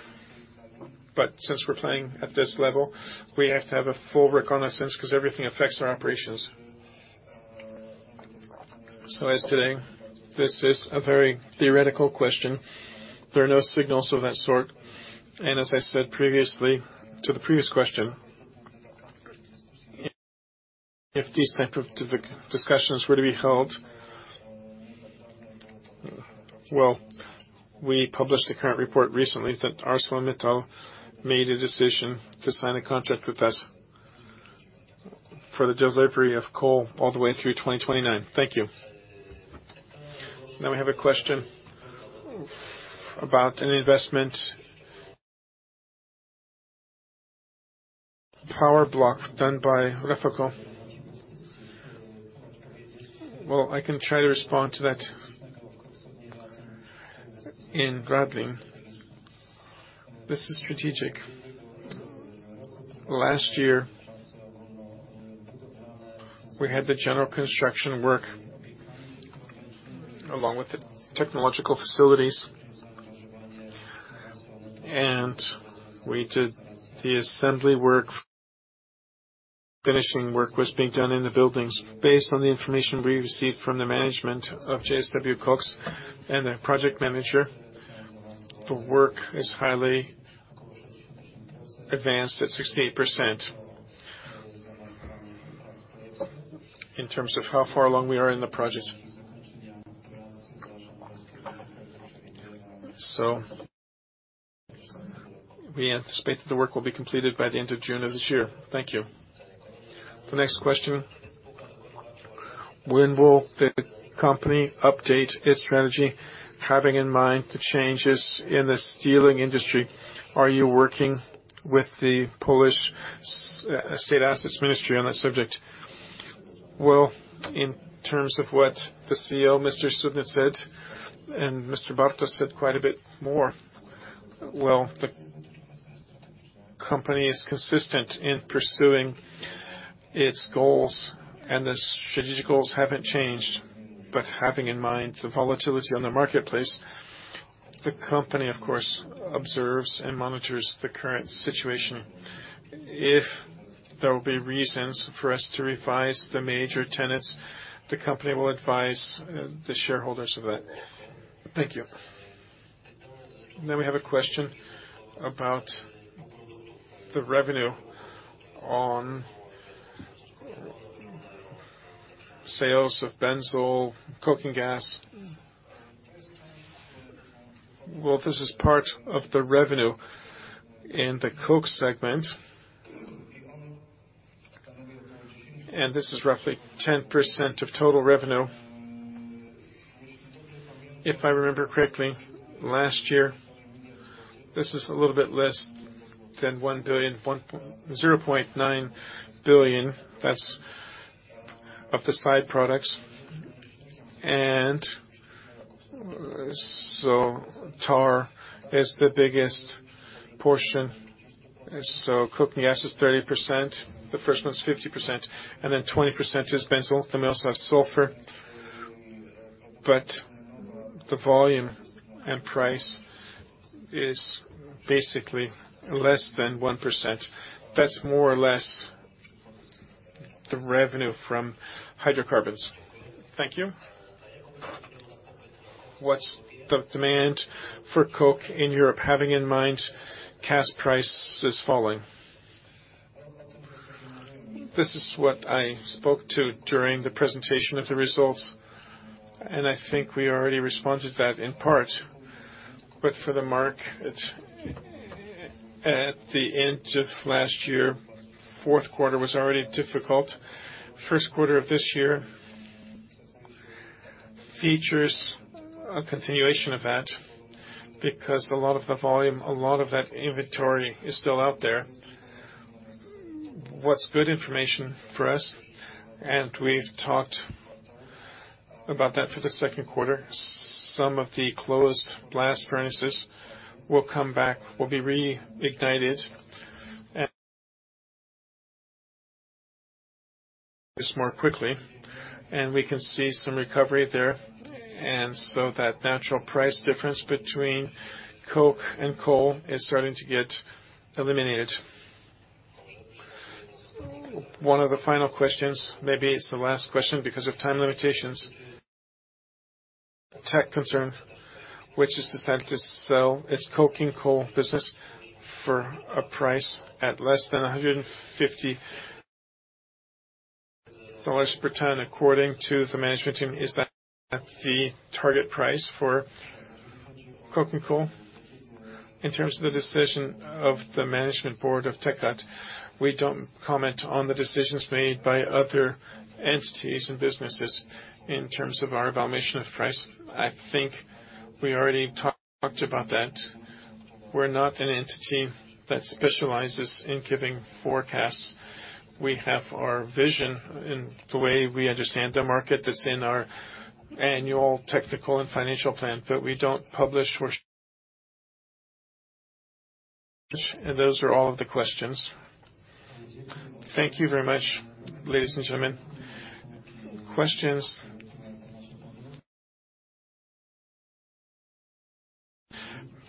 Since we're playing at this level, we have to have a full reconnaissance because everything affects our operations. As today, this is a very theoretical question. There are no signals of that sort. As I said previously to the previous question, if these type of discussions were to be held... Well, we published a current report recently that ArcelorMittal made a decision to sign a contract with us for the delivery of coal all the way through 2029. Thank you. We have a question about an investment power block done by Rafako. Well, I can try to respond to that. In Radlin, this is strategic. Last year, we had the general construction work along with the technological facilities, and we did the assembly work. Finishing work was being done in the buildings. Based on the information we received from the management of JSW KOKS and the project manager, the work is highly advanced at 68%. In terms of how far along we are in the project. We anticipate the work will be completed by the end of June of this year. Thank you. The next question, when will the company update its strategy, having in mind the changes in the steel industry? Are you working with the Polish State Assets Ministry on that subject? Well, in terms of what the CEO, Mr. Cudny said, and Mr. Bartos said quite a bit more. Well, the company is consistent in pursuing its goals, the strategic goals haven't changed. Having in mind the volatility on the marketplace, the company, of course, observes and monitors the current situation. If there will be reasons for us to revise the major tenets, the company will advise the shareholders of that. Thank you. We have a question about the revenue on sales of benzol, coke, and gas. Well, this is part of the revenue in the coke segment. This is roughly 10% of total revenue. If I remember correctly, last year, this is a little bit less than 1 billion, 0.9 billion. That's of the side products. Tar is the biggest portion. Coking gas is 30%. The first one is 50%, 20% is benzol. We also have sulfur. The volume and price is basically less than 1%. That's more or less the revenue from hydrocarbons. Thank you. What's the demand for coke in Europe, having in mind gas prices falling? This is what I spoke to during the presentation of the results, and I think we already responded to that in part. For the mark, it's at the end of last year, fourth quarter was already difficult. First quarter of this year features a continuation of that because a lot of the volume, a lot of that inventory is still out there. What's good information for us, and we've talked about that for the second quarter, some of the closed blast furnaces will come back, will be reignited. This more quickly. We can see some recovery there. That natural price difference between coke and coal is starting to get eliminated. One of the final questions, maybe it's the last question because of time limitations. Teck concern, which has decided to sell its coking coal business for a price at less than $150 per ton, according to the management team, is that the target price for coking coal? In terms of the decision of the management board of Teck, we don't comment on the decisions made by other entities and businesses in terms of our evaluation of price. I think we already talked about that. We're not an entity that specializes in giving forecasts. We have our vision in the way we understand the market that's in our annual technical and financial plan, but we don't publish. Those are all of the questions. Thank you very much, ladies and gentlemen. Questions.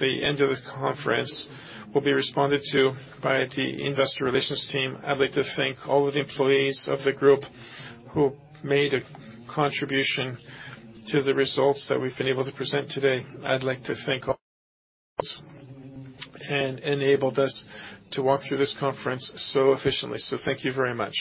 The end of the conference will be responded to by the investor relations team. I'd like to thank all of the employees of the group who made a contribution to the results that we've been able to present today. I'd like to thank and enabled us to walk through this conference so efficiently. Thank you very much.